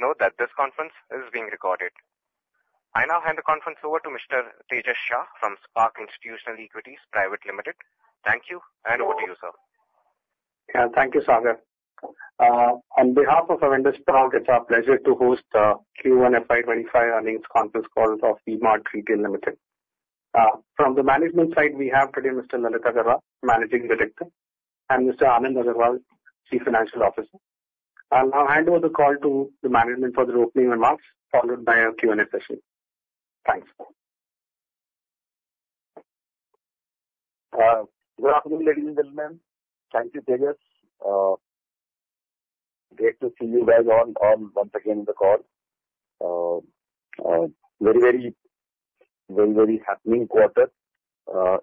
note that this conference is being recorded. I now hand the conference over to Mr. Tejas Shah from Spark Institutional Equities Private Limited. Thank you, and over to you, sir. Yeah, thank you, Sagar. On behalf of our industry, it's our pleasure to host the Q1 FY25 earnings conference calls of V-Mart Retail Limited. From the management side, we have today Mr. Lalit Agarwal, Managing Director, and Mr. Anand Agarwal, Chief Financial Officer. I'll now hand over the call to the management for the opening remarks, followed by a Q&A session. Thanks. Good afternoon, ladies and gentlemen. Thank you, Tejas. Great to see you guys all once again in the call. Very, very, very, very happening quarter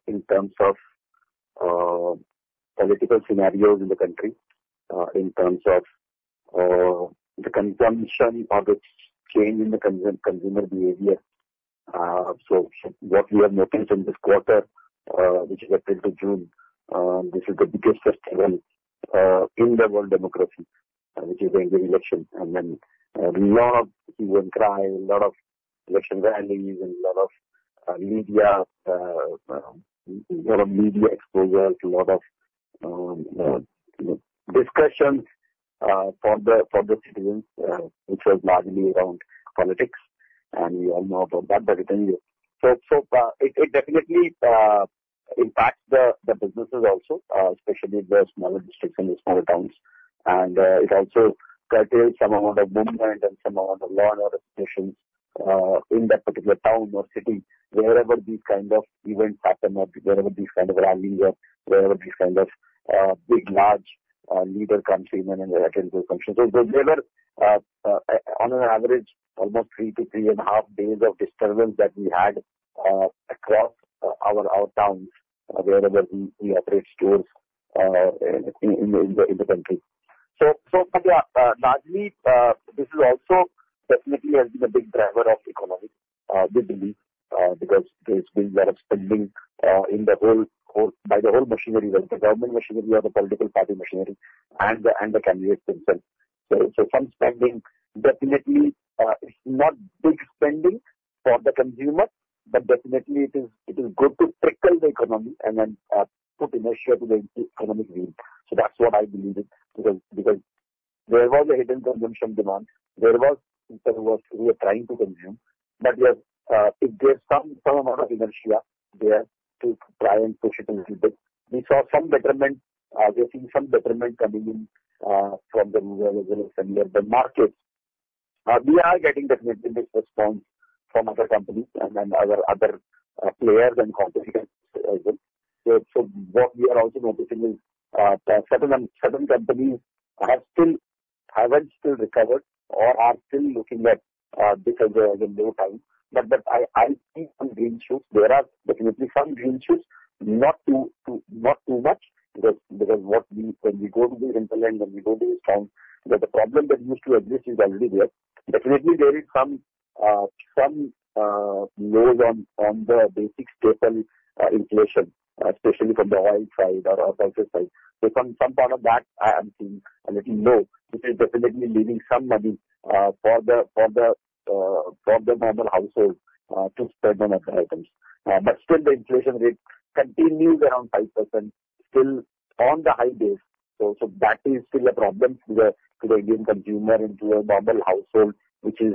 in terms of political scenarios in the country, in terms of the consumption habits change in the consumer behavior. So what we have noticed in this quarter, which is April to June, this is the biggest festival. In the world democracy, which is the Indian election, and then a lot of people cry, a lot of election rallies, and a lot of media, a lot of media exposure, a lot of discussions for the citizens, which was largely around politics. We all know about that, but it definitely impacts the businesses also, especially the smaller districts and the smaller towns. It also creates some amount of movement and some amount of law and order situations in that particular town or city, wherever these kind of events happen, wherever these kind of rallies or wherever these kind of big, large leaders come to them and attend those functions. There were, on average, almost 3-3.5 days of disturbance that we had across our towns, wherever we operate stores in the country. So largely, this also definitely has been a big driver of economic stability because there's been a lot of spending by the whole machinery, the government machinery or the political party machinery, and the candidates themselves. So some spending definitely is not big spending for the consumer, but definitely it is good to trickle the economy and then put inertia to the economic wheel. So that's what I believe in because there was a hidden consumption demand. There was. People were trying to consume, but there's some amount of inertia there to try and push it a little bit. We saw some betterment. We've seen some betterment coming in from the markets. We are getting definitely this response from other companies and other players and contestants as well. So what we are also noticing is certain companies haven't still recovered or are still looking at this as a low time. But I see some green shoots. There are definitely some green shoots, not too much because when we go to the hinterland and we go to these towns, the problem that used to exist is already there. Definitely, there is some relief from the basic staple inflation, especially from the oil side or fuel side. So some part of that, I'm seeing a little relief, which is definitely leaving some money for the normal household to spend on other items. But still, the inflation rate continues around 5%, still on the high base. So that is still a problem to the Indian consumer and to a normal household, which is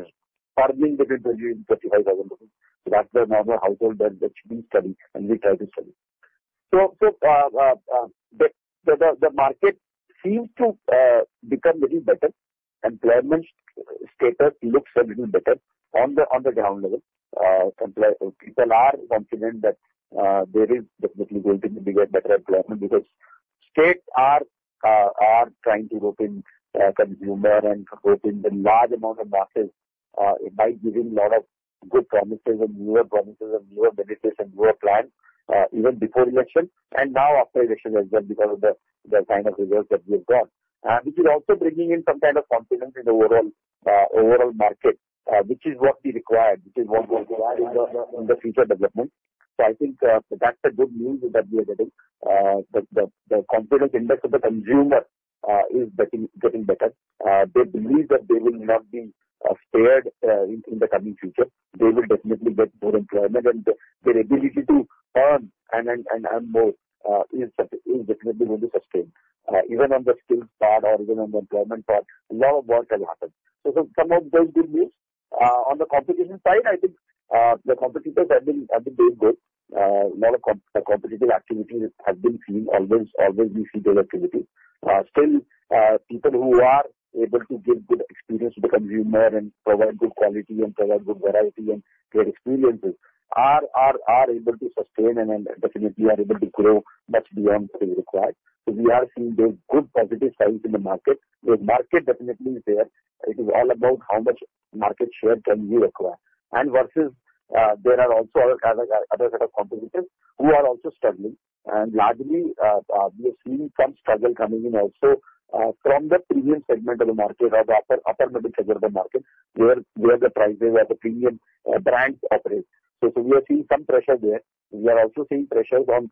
earning between 20,000-25,000 rupees. So that's the normal household that we study and we try to study. So the market seems to become a little better. Employment status looks a little better on the ground level. People are confident that there is definitely going to be bigger, better employment because states are trying to open consumer and open the large amount of markets. It might give him a lot of good promises and newer promises and newer benefits and newer plans even before election and now after election as well because of the kind of results that we have got, which is also bringing in some kind of confidence in the overall market, which is what we required, which is what we require in the future development. So I think that's the good news that we are getting. The confidence index of the consumer is getting better. They believe that they will not be spared in the coming future. They will definitely get more employment, and their ability to earn and more is definitely going to sustain. Even on the skills part or even on the employment part, a lot of work has happened. So some of those good news. On the competition side, I think the competitors have been doing good. A lot of competitive activity has been seen. Always we see good activity. Still, people who are able to give good experience to the consumer and provide good quality and provide good variety and create experiences are able to sustain and definitely are able to grow much beyond what is required. So we are seeing those good positive signs in the market. The market definitely is there. It is all about how much market share can we acquire. And versus there are also other kinds of competitors who are also struggling. Largely, we have seen some struggle coming in also from the premium segment of the market or the upper middle segment of the market where the prices or the premium brands operate. So we are seeing some pressure there. We are also seeing pressures on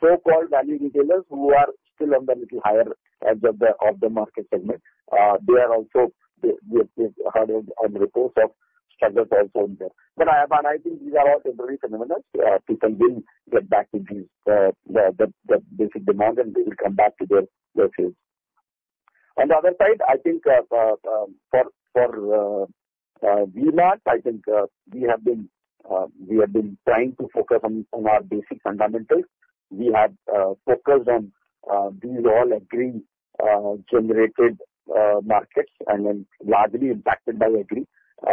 so-called value retailers who are still on a little higher edge of the market segment. They are also hearing reports of struggles also in there. But I think these are all temporary phenomena. People will get back to the basic demand and they will come back to their fields. On the other side, I think for V-Mart, I think we have been trying to focus on our basic fundamentals. We have focused on these all agri-generated markets and then largely impacted by agri.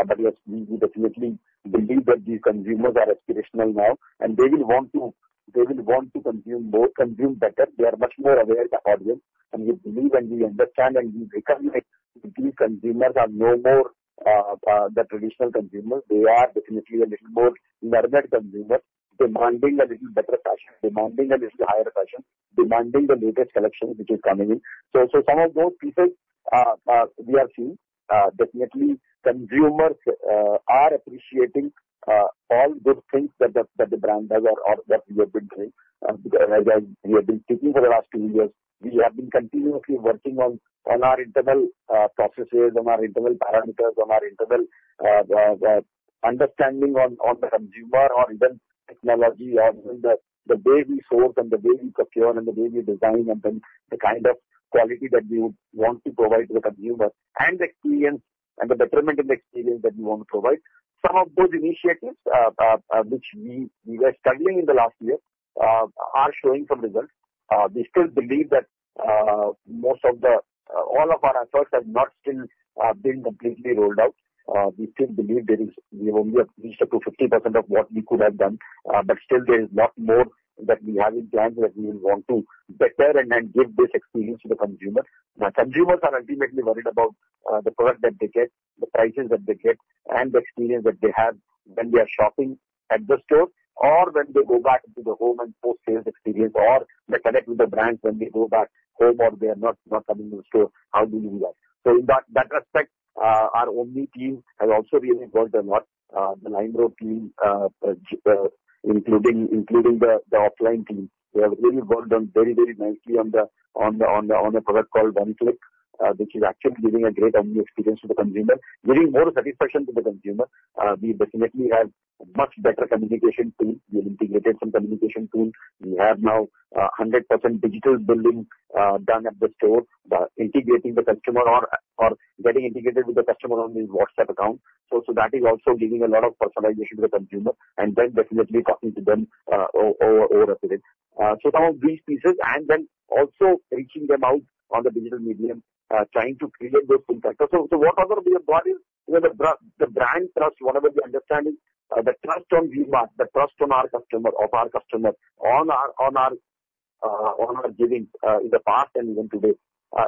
But yes, we definitely believe that these consumers are aspirational now, and they will want to consume more, consume better. They are much more aware of the audience. We believe and we understand and we recognize that these consumers are no more the traditional consumers. They are definitely a little more learned consumers, demanding a little better fashion, demanding a little higher fashion, demanding the latest collections, which is coming in. So some of those pieces we are seeing. Definitely, consumers are appreciating all good things that the brand does or what we have been doing. As we have been speaking for the last two years, we have been continuously working on our internal processes, on our internal parameters, on our internal understanding on the consumer or even technology or even the way we source and the way we procure and the way we design and then the kind of quality that we want to provide to the consumer and the experience and the betterment in the experience that we want to provide. Some of those initiatives, which we were struggling in the last year, are showing some results. We still believe that most of all of our efforts have not still been completely rolled out. We still believe we have reached up to 50% of what we could have done, but still there is a lot more that we have in plan that we will want to better and give this experience to the consumer. The consumers are ultimately worried about the product that they get, the prices that they get, and the experience that they have when they are shopping at the store or when they go back to the home and post-sales experience or they connect with the brands when they go back home or they are not coming to the store. How do we do that? So in that respect, our Omni team has also really worked a lot, the LimeRoad team, including the offline team. They have really worked very, very nicely on a product called One Click, which is actually giving a great experience to the consumer, giving more satisfaction to the consumer. We definitely have a much better communication tool. We have integrated some communication tools. We have now 100% digital billing done at the store, integrating the customer or getting integrated with the customer on his WhatsApp account. So that is also giving a lot of personalization to the consumer and then definitely talking to them over a period. So some of these pieces and then also reaching them out on the digital medium, trying to create those impacts. So what other we have got is the brand trust, whatever the understanding, the trust on V-Mart, the trust on our customer, of our customer, on our giving in the past and even today.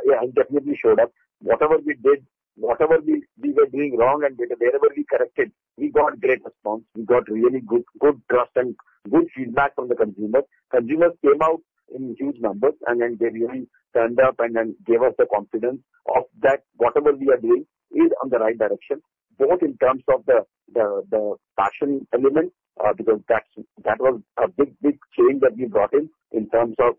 Yeah, it definitely showed up. Whatever we did, whatever we were doing wrong and wherever we corrected, we got great response. We got really good trust and good feedback from the consumers. Consumers came out in huge numbers and then they really turned up and then gave us the confidence of that whatever we are doing is on the right direction, both in terms of the fashion element because that was a big, big change that we brought in in terms of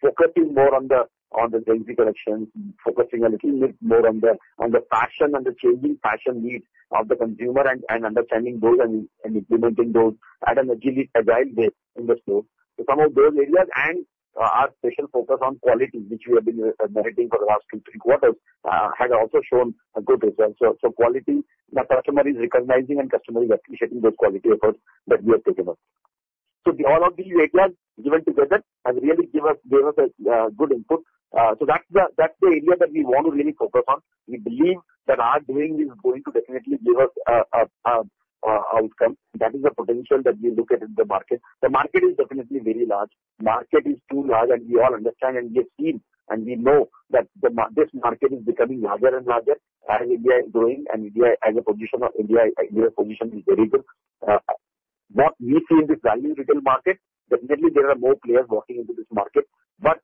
focusing more on the Gen Z collections, focusing a little bit more on the fashion and the changing fashion needs of the consumer and understanding those and implementing those in an agile way in the store. So some of those areas and our special focus on quality, which we have been merchandising for the last two, three quarters, has also shown good results. So quality, the customer is recognizing and customer is appreciating those quality efforts that we have taken up. So all of these areas given together have really given us good input. So that's the area that we want to really focus on. We believe that our doing is going to definitely give us an outcome. That is the potential that we look at in the market. The market is definitely very large. The market is too large, and we all understand and we have seen and we know that this market is becoming larger and larger as India is growing and India's position is very good. What we see in this value retail market, definitely there are more players walking into this market. But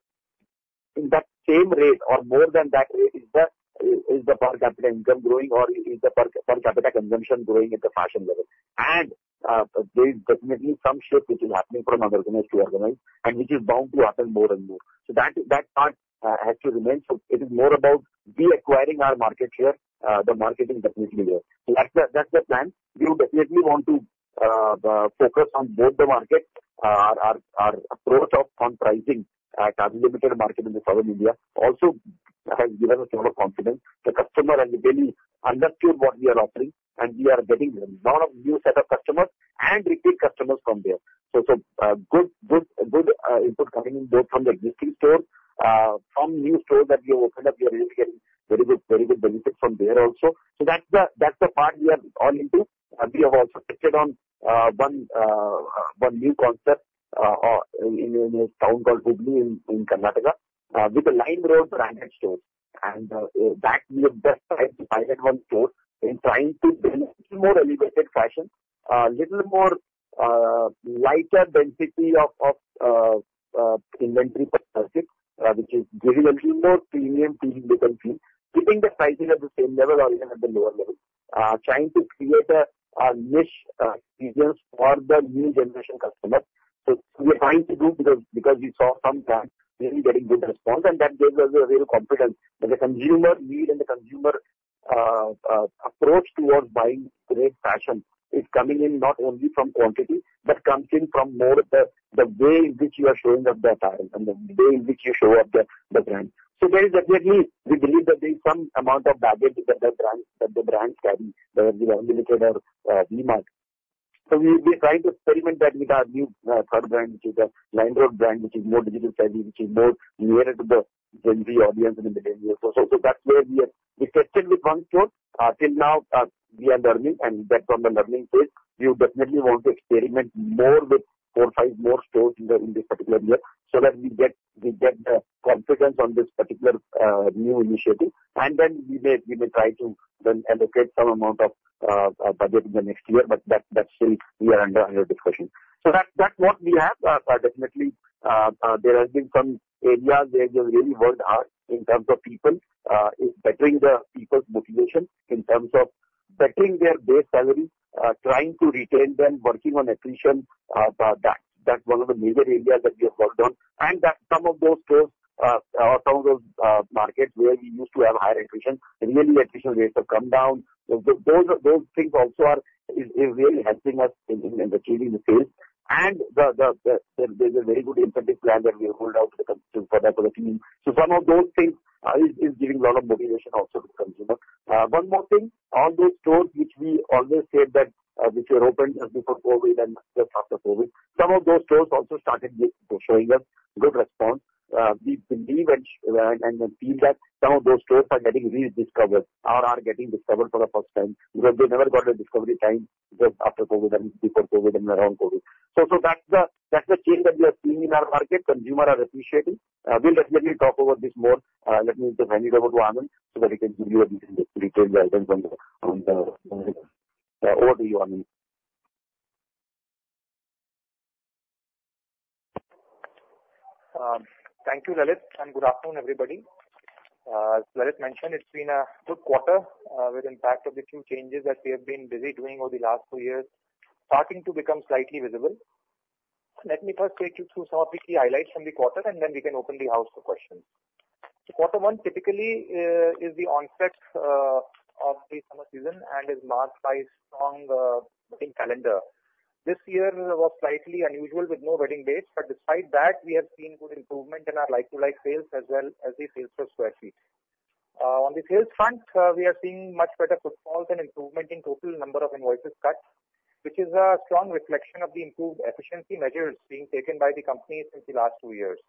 in that same rate or more than that rate is the per capita income growing or is the per capita consumption growing at the fashion level? And there is definitely some shift which is happening from unorganized to organized and which is bound to happen more and more. So that part has to remain. So it is more about reacquiring our market share. The market is definitely there. So that's the plan. We will definitely want to focus on both the market. Our approach on pricing at our Unlimited market in the South India also has given us a lot of confidence. The customer has really understood what we are offering, and we are getting a lot of new set of customers and retail customers from there. So good input coming in both from the existing store, from new stores that we have opened up. We are really getting very good benefits from there also. So that's the part we are all into. We have also touched on one new concept in a town called Hubballi in Karnataka with the LimeRoad branded stores. That will be the best time to pilot one store in trying to build a little more elevated fashion, a little more lighter density of inventory per square feet, which is giving a little more premium feeling to the consumer, keeping the pricing at the same level or even at the lower level, trying to create a niche experience for the new generation customers. So we are trying to do because we saw some brands really getting good response, and that gave us a real confidence. The consumer need and the consumer approach towards buying great fashion is coming in not only from quantity but comes in from more the way in which you are showing up the attire and the way in which you show up the brand. So there is definitely, we believe that there is some amount of baggage that the brands carry, whether it be Unlimited or V-Mart. So we are trying to experiment that with our new third brand, which is the LimeRoad brand, which is more digital savvy, which is more nearer to the Gen Z audience and the millennials. So that's where we have touched with one store. Until now, we are learning, and that's on the learning phase. We would definitely want to experiment more with four or five more stores in this particular year so that we get the confidence on this particular new initiative. And then we may try to then allocate some amount of budget in the next year, but that's still under discussion. So that's what we have. Definitely, there have been some areas where we have really worked hard in terms of people, bettering the people's motivation in terms of bettering their base salary, trying to retain them, working on attrition. That's one of the major areas that we have worked on. Some of those stores or some of those markets where we used to have higher attrition. Really, attrition rates have come down. Those things also are really helping us in achieving the sales. There's a very good incentive plan that we have rolled out for the team. Some of those things are giving a lot of motivation also to the consumer. One more thing, all those stores which we always said that which were opened before COVID and just after COVID, some of those stores also started showing us good response. We believe and feel that some of those stores are getting rediscovered or are getting discovered for the first time because they never got a discovery time just after COVID and before COVID and around COVID. So that's the change that we are seeing in our market. Consumers are appreciating. We'll definitely talk about this more. Let me just hand it over to Anand so that he can give you the detailed guidance. Over to you, Anand. Thank you, Lalit, and good afternoon, everybody. As Lalit mentioned, it's been a good quarter with, in fact, a few changes that we have been busy doing over the last two years, starting to become slightly visible. Let me first take you through some of the key highlights from the quarter, and then we can open the floor for questions. So quarter one typically is the onset of the summer season and is marked by a strong wedding calendar. This year was slightly unusual with no wedding dates, but despite that, we have seen good improvement in our like-for-like sales as well as the sales per square foot. On the sales front, we are seeing much better footfalls and improvement in total number of invoices cut, which is a strong reflection of the improved efficiency measures being taken by the company since the last two years.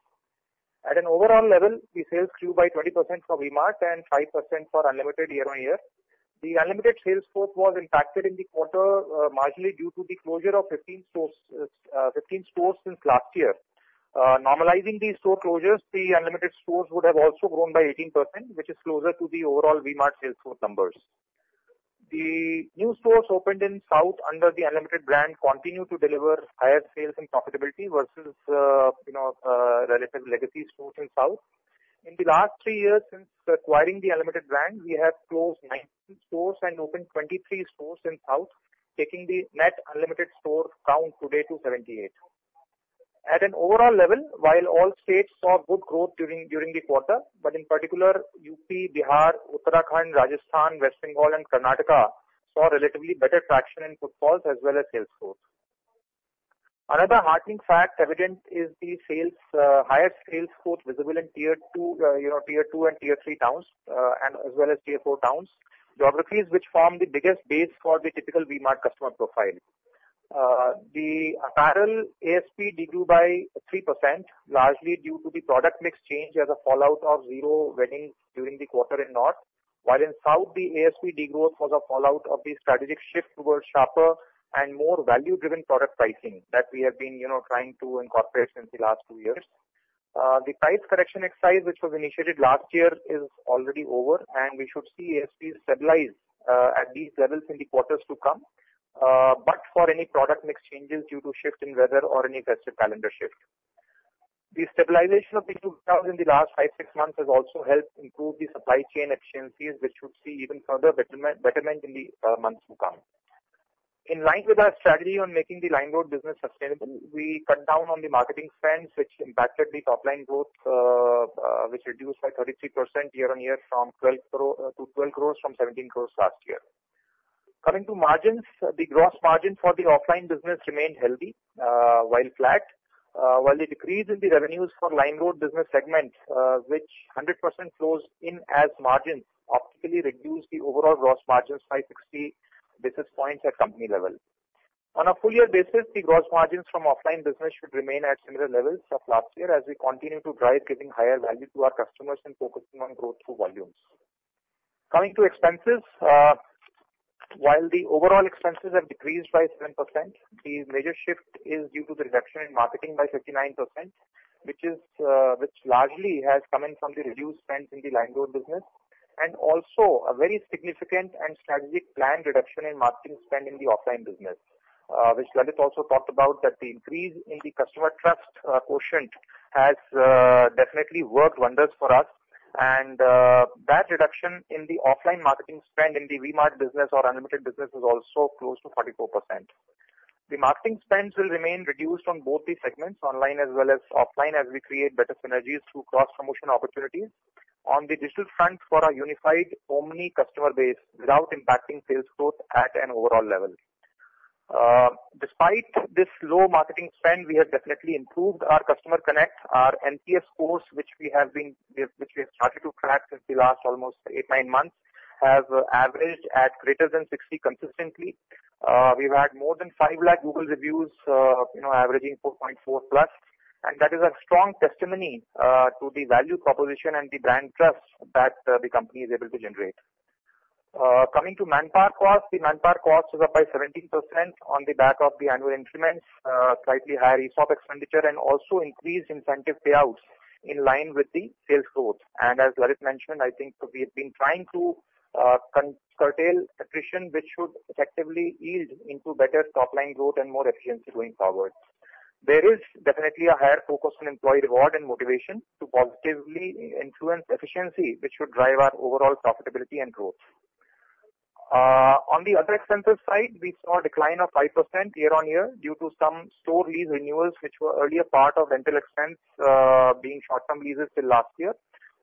At an overall level, our sales grew by 20% for V-Mart and 5% for Unlimited year-on-year. The Unlimited sales growth was impacted in the quarter marginally due to the closure of 15 stores since last year. Normalizing these store closures, the Unlimited stores would have also grown by 18%, which is closer to the overall V-Mart sales numbers. The new stores opened in south under the Unlimited brand continue to deliver higher sales growth and profitability versus relative legacy stores in south. In the last three years since acquiring the Unlimited brand, we have closed 19 stores and opened 23 stores in South, taking the net Unlimited store count today to 78. At an overall level, while all states saw good growth during the quarter, but in particular, UP, Bihar, Uttarakhand, Rajasthan, West Bengal, and Karnataka saw relatively better traction in footfalls as well as sales growth. Another heartening fact evident is the higher sales growth visible in tier two and tier three towns as well as tier four towns, geographies which form the biggest base for the typical V-Mart customer profile. The apparel ASP degrew by 3%, largely due to the product mix change as a fallout of zero weddings during the quarter in North, while in South, the ASP degrowth was a fallout of the strategic shift towards sharper and more value-driven product pricing that we have been trying to incorporate since the last two years. The price correction exercise, which was initiated last year, is already over, and we should see ASP stabilize at these levels in the quarters to come, but for any product mix changes due to shift in weather or any festive calendar shift. The stabilization of the two towns in the last five, six months has also helped improve the supply chain efficiencies, which should see even further betterment in the months to come. In line with our strategy on making the LimeRoad business sustainable, we cut down on the marketing spend, which impacted the top-line growth, which reduced by 33% year-on-year from 12 crore from 17 crore last year. Coming to margins, the gross margin for the offline business remained healthy while flat. While the decrease in the revenues for LimeRoad business segment, which 100% flows in as margins, optically reduced the overall gross margins by 60 basis points at company level. On a full-year basis, the gross margins from offline business should remain at similar levels as last year as we continue to drive giving higher value to our customers and focusing on growth through volumes. Coming to expenses, while the overall expenses have decreased by 7%, the major shift is due to the reduction in marketing by 59%, which largely has come in from the reduced spend in the LimeRoad business and also a very significant and strategic planned reduction in marketing spend in the offline business, which Lalit also talked about, that the increase in the customer trust quotient has definitely worked wonders for us. That reduction in the offline marketing spend in the V-Mart business or Unlimited business is also close to 44%. The marketing spend will remain reduced on both the segments, online as well as offline, as we create better synergies through cross-promotion opportunities on the digital front for a unified Omni customer base without impacting sales growth at an overall level. Despite this low marketing spend, we have definitely improved our customer connect. Our NPS scores, which we have started to track since the last almost eight, nine months, have averaged at greater than 60 consistently. We've had more than 500,000 Google reviews, averaging 4.4+. That is a strong testimony to the value proposition and the brand trust that the company is able to generate. Coming to manpower costs, the manpower cost is up by 17% on the back of the annual increments, slightly higher ESOP expenditure, and also increased incentive payouts in line with the sales growth. As Lalit mentioned, I think we have been trying to curtail attrition, which should effectively yield into better top-line growth and more efficiency going forward. There is definitely a higher focus on employee reward and motivation to positively influence efficiency, which should drive our overall profitability and growth. On the other expenses side, we saw a decline of 5% year-on-year due to some store lease renewals, which were earlier part of rental expense being short-term leases till last year.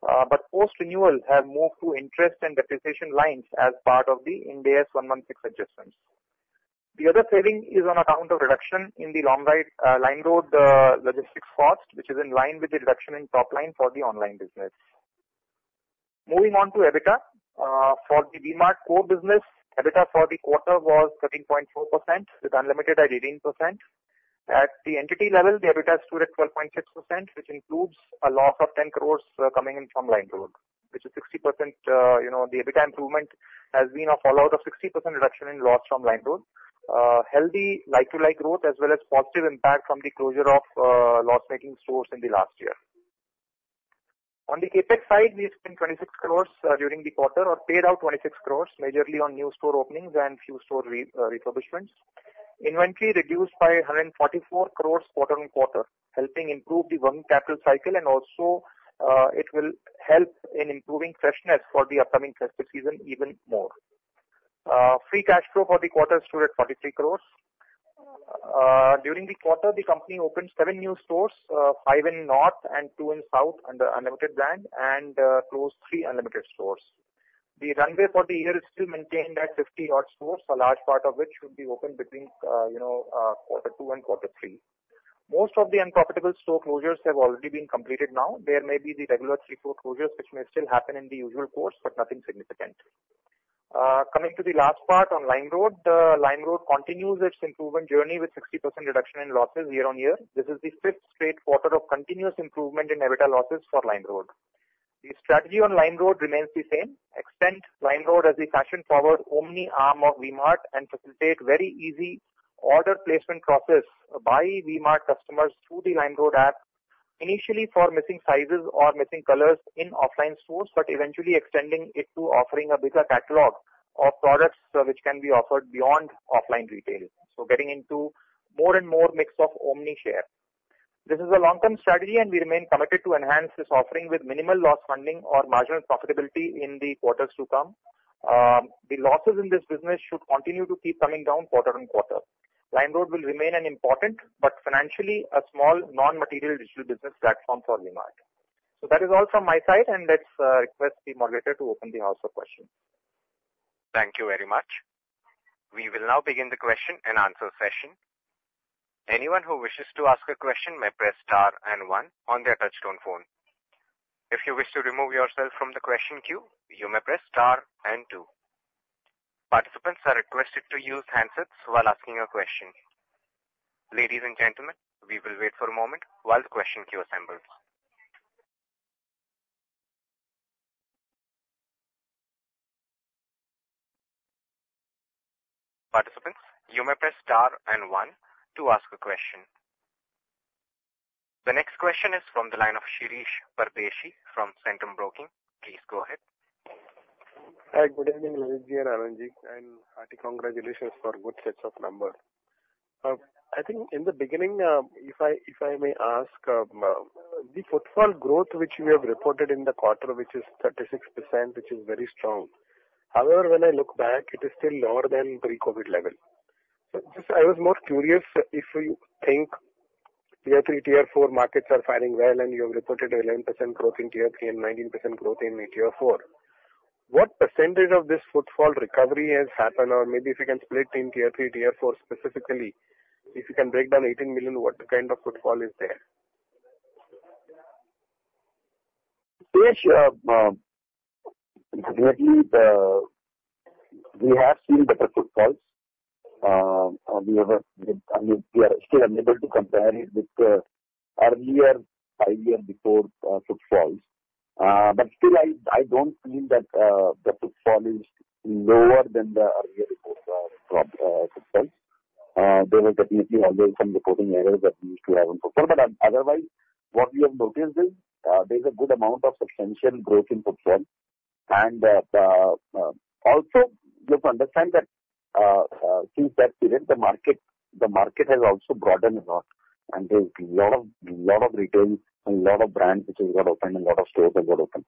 But post-renewal have moved to interest and depreciation lines as part of the Ind AS 116 adjustments. The other saving is on account of reduction in the LimeRoad logistics cost, which is in line with the reduction in top line for the online business. Moving on to EBITDA for the V-Mart core business, EBITDA for the quarter was 13.4% with Unlimited at 18%. At the entity level, the EBITDA stood at 12.6%, which includes a loss of 10 crore coming in from LimeRoad, which is 60%. The EBITDA improvement has been a fallout of 60% reduction in loss from LimeRoad. Healthy like-for-like growth as well as positive impact from the closure of loss-making stores in the last year. On the CapEx side, we spent 26 crores during the quarter or paid out 26 crores, majorly on new store openings and few store refurbishments. Inventory reduced by 144 crores quarter-over-quarter, helping improve the working capital cycle, and also it will help in improving freshness for the upcoming festive season even more. Free cash flow for the quarter stood at 43 crores. During the quarter, the company opened seven new stores, five in North and two in South under Unlimited brand, and closed three, four Unlimited stores. The runway for the year is still maintained at 50-odd stores, a large part of which should be opened between quarter two and quarter three. Most of the unprofitable store closures have already been completed now. There may be the regular tail closures, which may still happen in the usual course, but nothing significant. Coming to the last part on LimeRoad, LimeRoad continues its improvement journey with 60% reduction in losses year-on-year. This is the fifth straight quarter of continuous improvement in EBITDA losses for LimeRoad. The strategy on LimeRoad remains the same. Extend LimeRoad as the fashion-forward Omni arm of V-Mart and facilitate very easy order placement process by V-Mart customers through the LimeRoad app, initially for missing sizes or missing colors in offline stores, but eventually extending it to offering a bigger catalog of products which can be offered beyond offline retail. So getting into more and more mix of Omni share. This is a long-term strategy, and we remain committed to enhance this offering with minimal loss funding or marginal profitability in the quarters to come. The losses in this business should continue to keep coming down quarter-on-quarter. LimeRoad will remain an important but financially a small non-material digital business platform for V-Mart. So that is all from my side, and let's request the moderator to open the floor for questions. Thank you very much. We will now begin the question and answer session. Anyone who wishes to ask a question may press star and one on their touch-tone phone. If you wish to remove yourself from the question queue, you may press star and two. Participants are requested to use handsets while asking a question. Ladies and gentlemen, we will wait for a moment while the question queue assembles. Participants, you may press star and one to ask a question. The next question is from the line of Shirish Pardheshi from Centrum Broking. Please go ahead. Hi, good evening, Lalit ji and Anand ji. Hearty congratulations for good sets of numbers. I think in the beginning, if I may ask, the footfall growth which we have reported in the quarter, which is 36%, which is very strong. However, when I look back, it is still lower than pre-COVID level. So I was more curious if you think tier three, tier four markets are falling well and you have reported 11% growth in tier three and 19% growth in tier four. What percentage of this footfall recovery has happened? Or maybe if you can split in tier three, tier four specifically, if you can break down 18 million, what kind of footfall is there? We have seen better footfalls. We are still unable to compare it with the earlier, five-year before footfalls. But still, I don't feel that the footfall is lower than the earlier footfalls. There were definitely always some reporting errors that we used to have on footfall. But otherwise, what we have noticed is there's a good amount of substantial growth in footfall. Also, just to understand that since that period, the market has also broadened a lot and there's a lot of retail and a lot of brands which have got opened and a lot of stores have got open.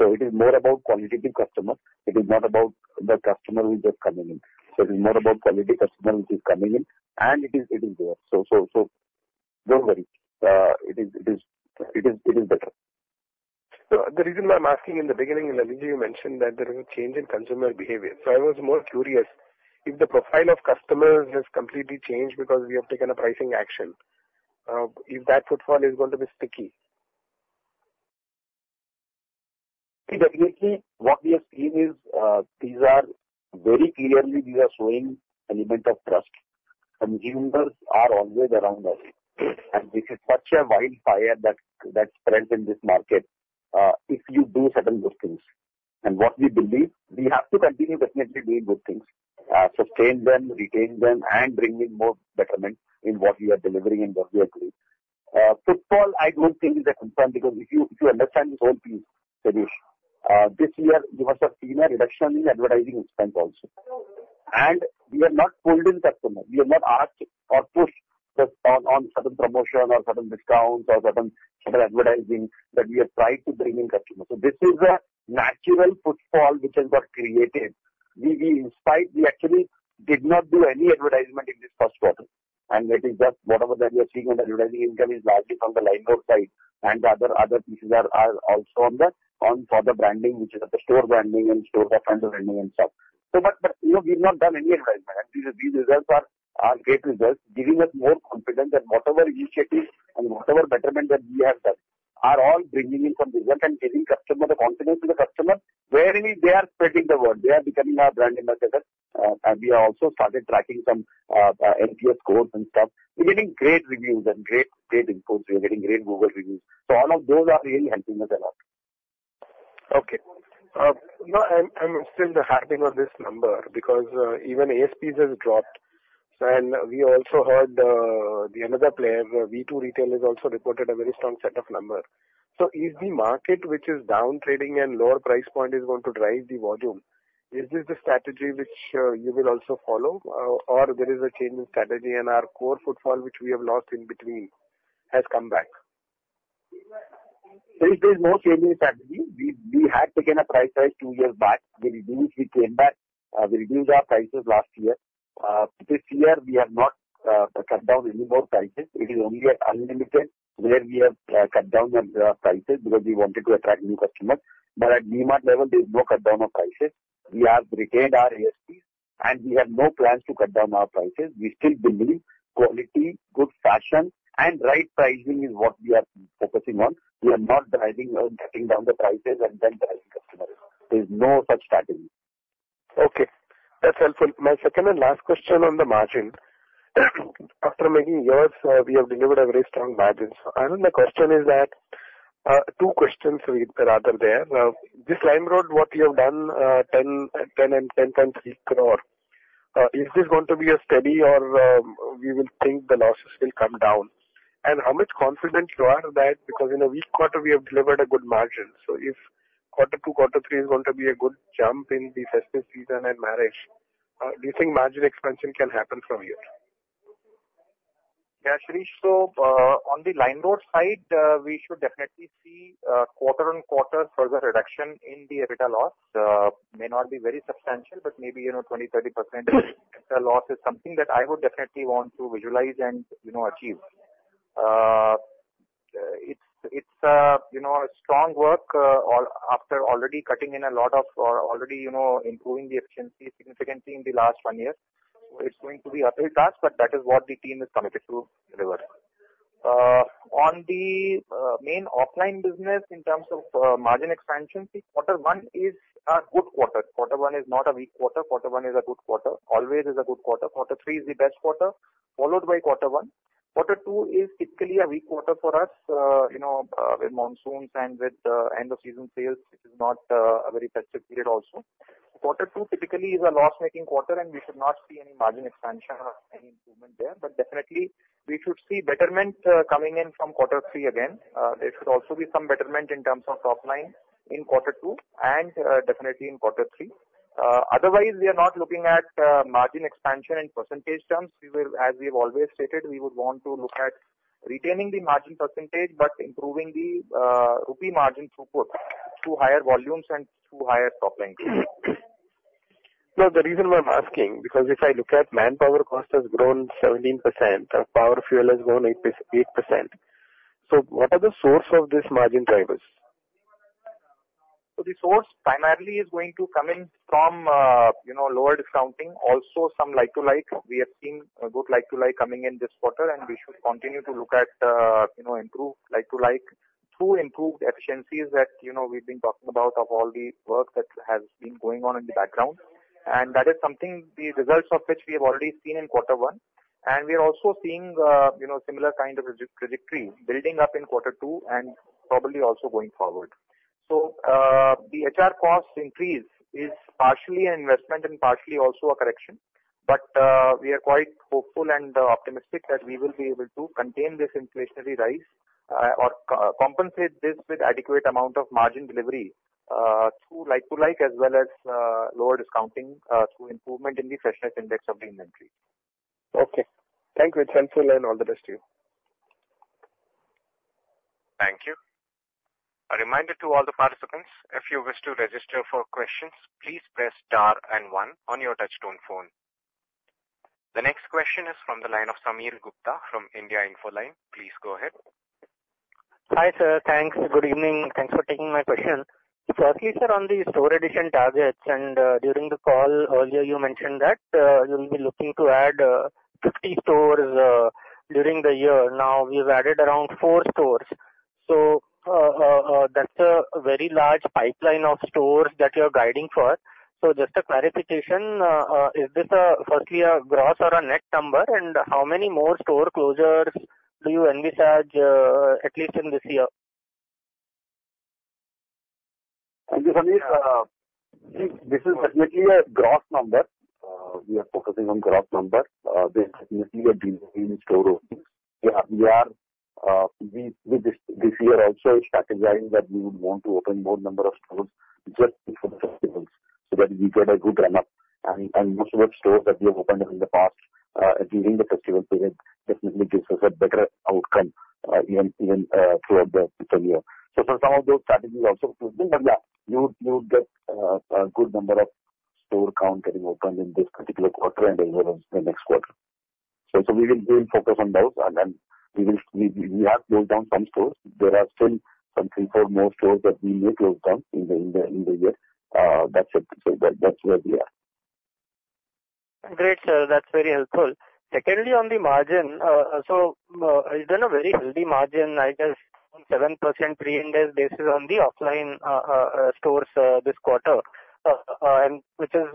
So it is more about quality customers. It is not about the customer who is just coming in. So it is more about quality customer which is coming in, and it is there. So don't worry. It is better. So the reason why I'm asking in the beginning, Lalit ji, you mentioned that there was a change in consumer behavior. I was more curious if the profile of customers has completely changed because we have taken a pricing action, if that footfall is going to be sticky. Definitely, what we have seen is these are very clearly, these are showing an element of trust. Consumers are always around us. This is such a wildfire that spreads in this market if you do certain good things. What we believe, we have to continue definitely doing good things, sustain them, retain them, and bring in more betterment in what we are delivering and what we are doing. Footfall, I don't think is a concern because if you understand this whole piece, Shireesh, this year you must have seen a reduction in advertising expense also. We have not pulled in customers. We have not asked or pushed on certain promotion or certain discounts or certain advertising that we have tried to bring in customers. So this is a natural footfall which has got created. We actually did not do any advertisement in this first quarter. And it is just whatever that we are seeing in advertising income is largely from the LimeRoad side. And the other pieces are also on the for the branding, which is at the store branding and store handle branding and stuff. But we have not done any advertisement. And these results are great results, giving us more confidence that whatever initiatives and whatever betterment that we have done are all bringing in some result and giving customer the confidence to the customer, wherein they are spreading the word. They are becoming our brand ambassadors. And we have also started tracking some NPS scores and stuff. We're getting great reviews and great inputs. We are getting great Google reviews. So all of those are really helping us a lot. Okay. And still, the heartening of this number because even ASPs has dropped. And we also heard another player, V2 Retail, has also reported a very strong set of numbers. So is the market, which is downtrading and lower price point, is going to drive the volume? Is this the strategy which you will also follow, or there is a change in strategy and our core footfall, which we have lost in between, has come back? There's no change in strategy. We had taken a price rise two years back. We came back. We reduced our prices last year. This year, we have not cut down any more prices. It is only at Unlimited where we have cut down the prices because we wanted to attract new customers. But at V-Mart level, there is no cut down of prices. We have retained our ASPs, and we have no plans to cut down our prices. We still believe quality, good fashion, and right pricing is what we are focusing on. We are not driving or cutting down the prices and then driving customers. There's no such strategy. Okay. That's helpful. My second and last question on the margin. After many years, we have delivered a very strong margin. So my question is that two questions, rather, there. This LimeRoad, what you have done, 10 crore and 10.3 crore, is this going to be a steady or we will think the losses will come down? How confident are you that because in a weak quarter, we have delivered a good margin? So if quarter two, quarter three is going to be a good jump in the festive season and marriage, do you think margin expansion can happen from here? Yeah, Shirish, so on the LimeRoad side, we should definitely see quarter-over-quarter further reduction in the EBITDA loss. It may not be very substantial, but maybe 20%-30% EBITDA loss is something that I would definitely want to visualize and achieve. It's a strong work after already cutting in a lot of or already improving the efficiency significantly in the last one year. So it's going to be a tough task, but that is what the team is committed to deliver. On the main offline business, in terms of margin expansion, quarter one is a good quarter. Quarter one is not a weak quarter. Quarter one is a good quarter. Always is a good quarter. Quarter three is the best quarter, followed by quarter one. Quarter two is typically a weak quarter for us with monsoons and with end-of-season sales, which is not a very festive period also. Quarter two typically is a loss-making quarter, and we should not see any margin expansion or any improvement there. But definitely, we should see betterment coming in from quarter three again. There should also be some betterment in terms of top line in quarter two and definitely in quarter three. Otherwise, we are not looking at margin expansion in percentage terms. As we have always stated, we would want to look at retaining the margin percentage but improving the rupee margin throughput through higher volumes and through higher top line. The reason why I'm asking is because if I look at manpower cost has grown 17%, power fuel has grown 8%. What are the source of these margin drivers? The source primarily is going to come in from lower discounting, also some like-for-like. We have seen good like-for-like coming in this quarter, and we should continue to look at improved like-for-like through improved efficiencies that we've been talking about of all the work that has been going on in the background. And that is something the results of which we have already seen in quarter one. And we are also seeing similar kind of trajectory building up in quarter two and probably also going forward. The HR cost increase is partially an investment and partially also a correction. But we are quite hopeful and optimistic that we will be able to contain this inflationary rise or compensate this with adequate amount of margin delivery through like-for-like as well as lower discounting through improvement in the freshness index of the inventory. Okay. Thank you. It's helpful, and all the best to you. Thank you. A reminder to all the participants, if you wish to register for questions, please press star and one on your touchtone phone. The next question is from the line of Sameer Gupta from Indian Infoline. Please go ahead. Hi, sir. Thanks. Good evening. Thanks for taking my question. Firstly, sir, on the store addition targets, and during the call earlier, you mentioned that you'll be looking to add 50 stores during the year. Now, we've added around four stores. So that's a very large pipeline of stores that you're guiding for. So just a clarification, is this firstly a gross or a net number, and how many more store closures do you envisage, at least in this year? Thank you, Sameer. This is definitely a gross number. We are focusing on gross number. There's definitely a deal in store openings. We are this year also strategizing that we would want to open more number of stores just for the festival so that we get a good run-up. And most of the stores that we have opened in the past during the festival period definitely gives us a better outcome even throughout the year. So some of those strategies also closing. But yeah, you would get a good number of store count getting opened in this particular quarter and the next quarter. So we will focus on those. And we have closed down some stores. There are still some three, four more stores that we may close down in the year. That's where we are. Great, sir. That's very helpful. Secondly, on the margin, so it's been a very healthy margin, I guess, 7% pre-Ind AS basis on the offline stores this quarter, which is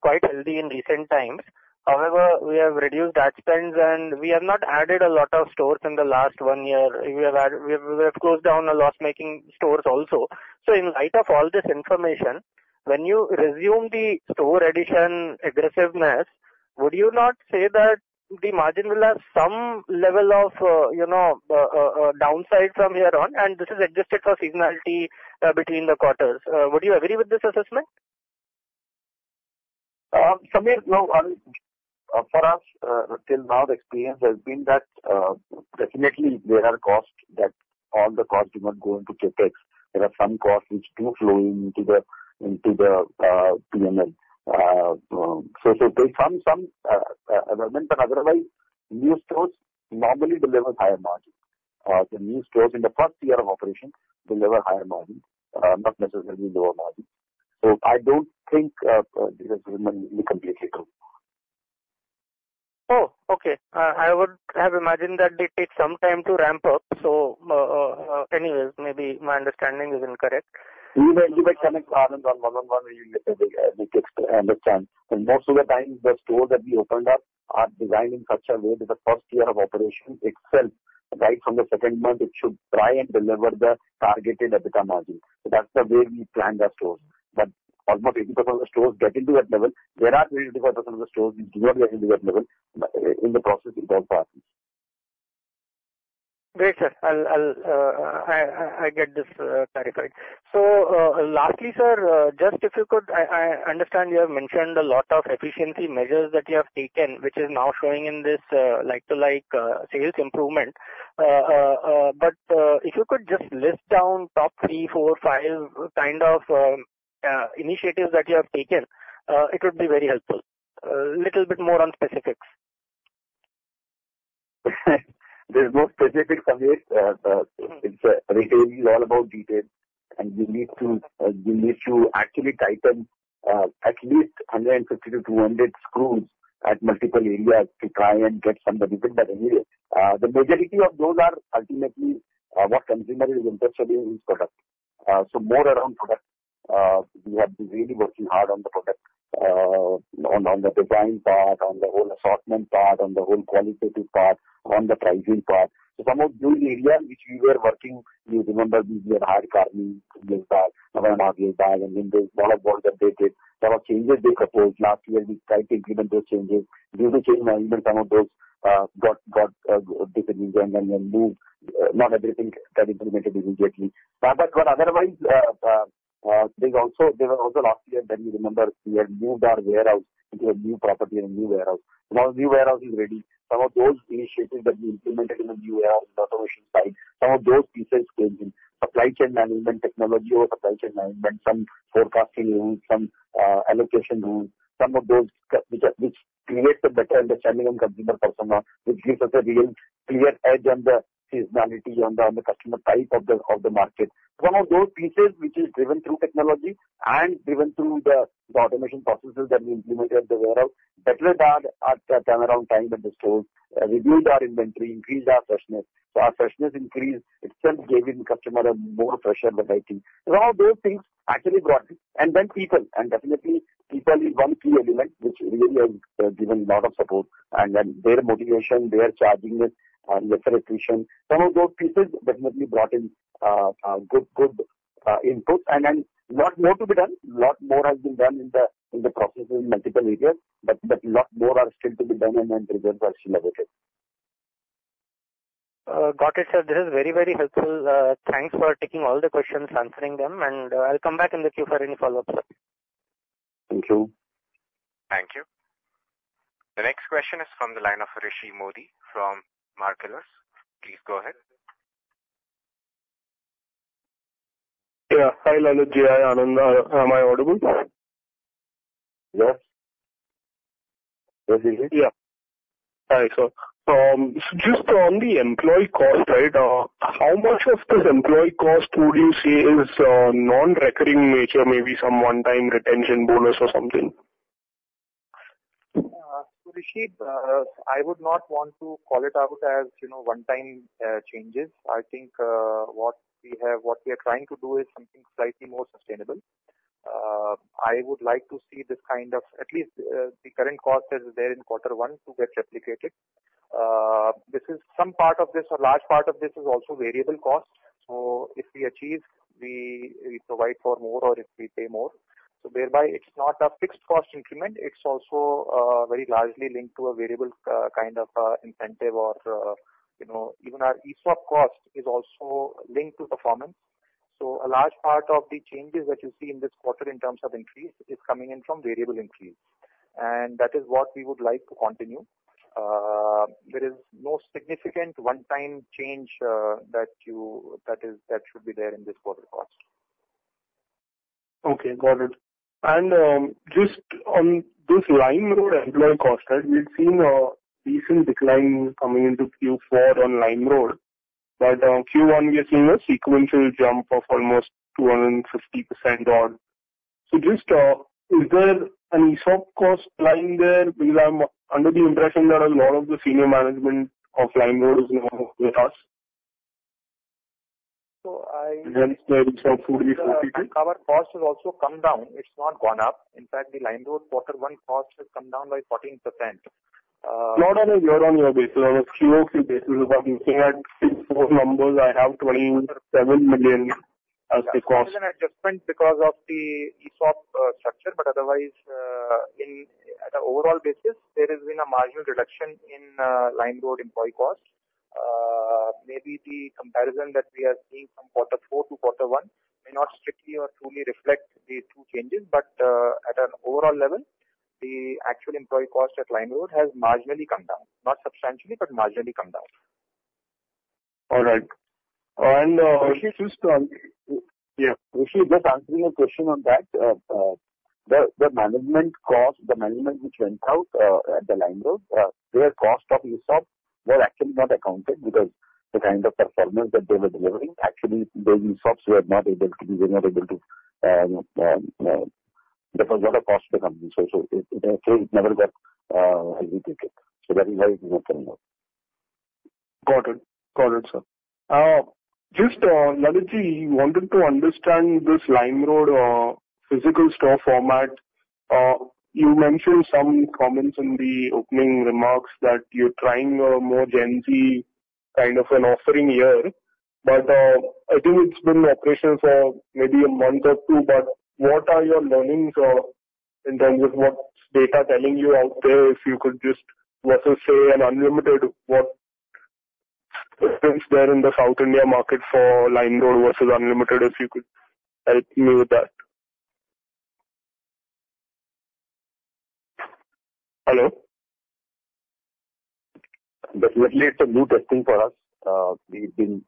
quite healthy in recent times. However, we have reduced ad spends, and we have not added a lot of stores in the last one year. We have closed down the loss-making stores also. So in light of all this information, when you resume the store addition aggressiveness, would you not say that the margin will have some level of downside from here on? And this is adjusted for seasonality between the quarters. Would you agree with this assessment? Sameer, no. For us, till now, the experience has been that definitely there are costs that all the costs do not go into CapEx. There are some costs which do flow into the P&L. So there's some element. But otherwise, new stores normally deliver higher margins. The new stores in the first year of operation deliver higher margins, not necessarily lower margins. So I don't think this is completely true. Oh, okay. I would have imagined that they take some time to ramp up. So anyways, maybe my understanding is incorrect. You may connect, Anand, on one-on-one where you understand. But most of the time, the stores that we opened up are designed in such a way that the first year of operation itself, right from the second month, it should try and deliver the targeted EBITDA margin. So that's the way we plan the stores. But almost 80% of the stores get into that level. There are 20%-25% of the stores which do not get into that level. In the process, it all passes. Great, sir. I get this clarified. So lastly, sir, just if you could, I understand you have mentioned a lot of efficiency measures that you have taken, which is now showing in this like-for-like sales improvement. But if you could just list down top three, four, five kind of initiatives that you have taken, it would be very helpful. A little bit more on specifics. There's no specifics, Sameer. Retail is all about detail. And you need to actually tighten at least 150-200 screws at multiple areas to try and get some benefit. But anyway, the majority of those are ultimately what consumer is interested in is product. So more around product, we have been really working hard on the product, on the design part, on the whole assortment part, on the whole qualitative part, on the pricing part. So some of those areas which we were working, you remember, we had hired Kearney years back, now. Years back, and then there's a lot of work that they did. There were changes they proposed. Last year, we tried to implement those changes. Due to change management, some of those got disagreements and then moved. Not everything got implemented immediately. But otherwise, there were also last year that you remember, we had moved our warehouse into a new property and a new warehouse. Now, the new warehouse is ready. Some of those initiatives that we implemented in the new warehouse on the automation side, some of those pieces came in. Supply chain management technology or supply chain management, some forecasting rules, some allocation rules, some of those which create a better understanding on consumer persona, which gives us a real clear edge on the seasonality, on the customer type of the market. Some of those pieces, which is driven through technology and driven through the automation processes that we implemented at the warehouse, better at turnaround time at the stores, reduced our inventory, increased our freshness. So our freshness increase itself gave the customer more pressure than I think. So all those things actually brought in. And then people. And definitely, people is one key element which really has given a lot of support. And then their motivation, their chargingness, and the expectation, some of those pieces definitely brought in good input. And then a lot more to be done. A lot more has been done in the processes in multiple areas, but a lot more are still to be done, and then results are still awaited. Got it, sir. This is very, very helpful. Thanks for taking all the questions, answering them. And I'll come back in the queue for any follow-up, sir. Thank you. Thank you. The next question is from the line of Harsh Shah from Marcellus. Please go ahead. Yeah. Hi, Lalit ji, Anand, am I audible? Yes. Yes, indeed. Yeah. Hi. So just on the employee cost, right, how much of this employee cost would you say is non-recurring nature, maybe some one-time retention bonus or something? Harsh, I would not want to call it out as one-time changes. I think what we are trying to do is something slightly more sustainable. I would like to see this kind of at least the current cost that is there in quarter one to get replicated. Some part of this or large part of this is also variable cost. So if we achieve, we provide for more, or if we pay more. So thereby, it's not a fixed cost increment. It's also very largely linked to a variable kind of incentive or even our ESOP cost is also linked to performance. So a large part of the changes that you see in this quarter in terms of increase is coming in from variable increase. And that is what we would like to continue. There is no significant one-time change that should be there in this quarter cost. Okay. Got it. And just on this LimeRoad employee cost, we've seen a decent decline coming into Q4 on LimeRoad. But Q1, we have seen a sequential jump of almost 250%. So just is there an ESOP cost line there? Because I'm under the impression that a lot of the senior management of LimeRoad is now with us. So I think the ESOP would be 42. Our cost has also come down. It's not gone up. In fact, the LimeRoad quarter one cost has come down by 14%. Not on a year-on-year basis. On a QOQ basis, if I'm looking at Q4 numbers, I have 27 million as the cost. This has been an adjustment because of the ESOP structure. But otherwise, at an overall basis, there has been a marginal reduction in LimeRoad employee cost. Maybe the comparison that we are seeing from quarter four to quarter one may not strictly or truly reflect these two changes. But at an overall level, the actual employee cost at LimeRoad has marginally come down. Not substantially, but marginally come down. All right. Harsh just answering a question on that. The management cost, the management which went out at the LimeRoad, their cost of ESOP was actually not accounted because the kind of performance that they were delivering, actually, those ESOPs were not able to. They were not able to. There was a lot of cost to the company. So it never got replicated. So that is why it is not coming up. Got it. Got it, sir. Just, Lalit, Jay, you wanted to understand this LimeRoad physical store format. You mentioned some comments in the opening remarks that you're trying a more Gen Z kind of an offering here. But I think it's been operational for maybe a month or two. But what are your learnings in terms of what's data telling you out there if you could just, versus, say, an Unlimited what's there in the South India market for LimeRoad versus Unlimited if you could help me with that? Hello? Definitely, it's a new testing for us. We've been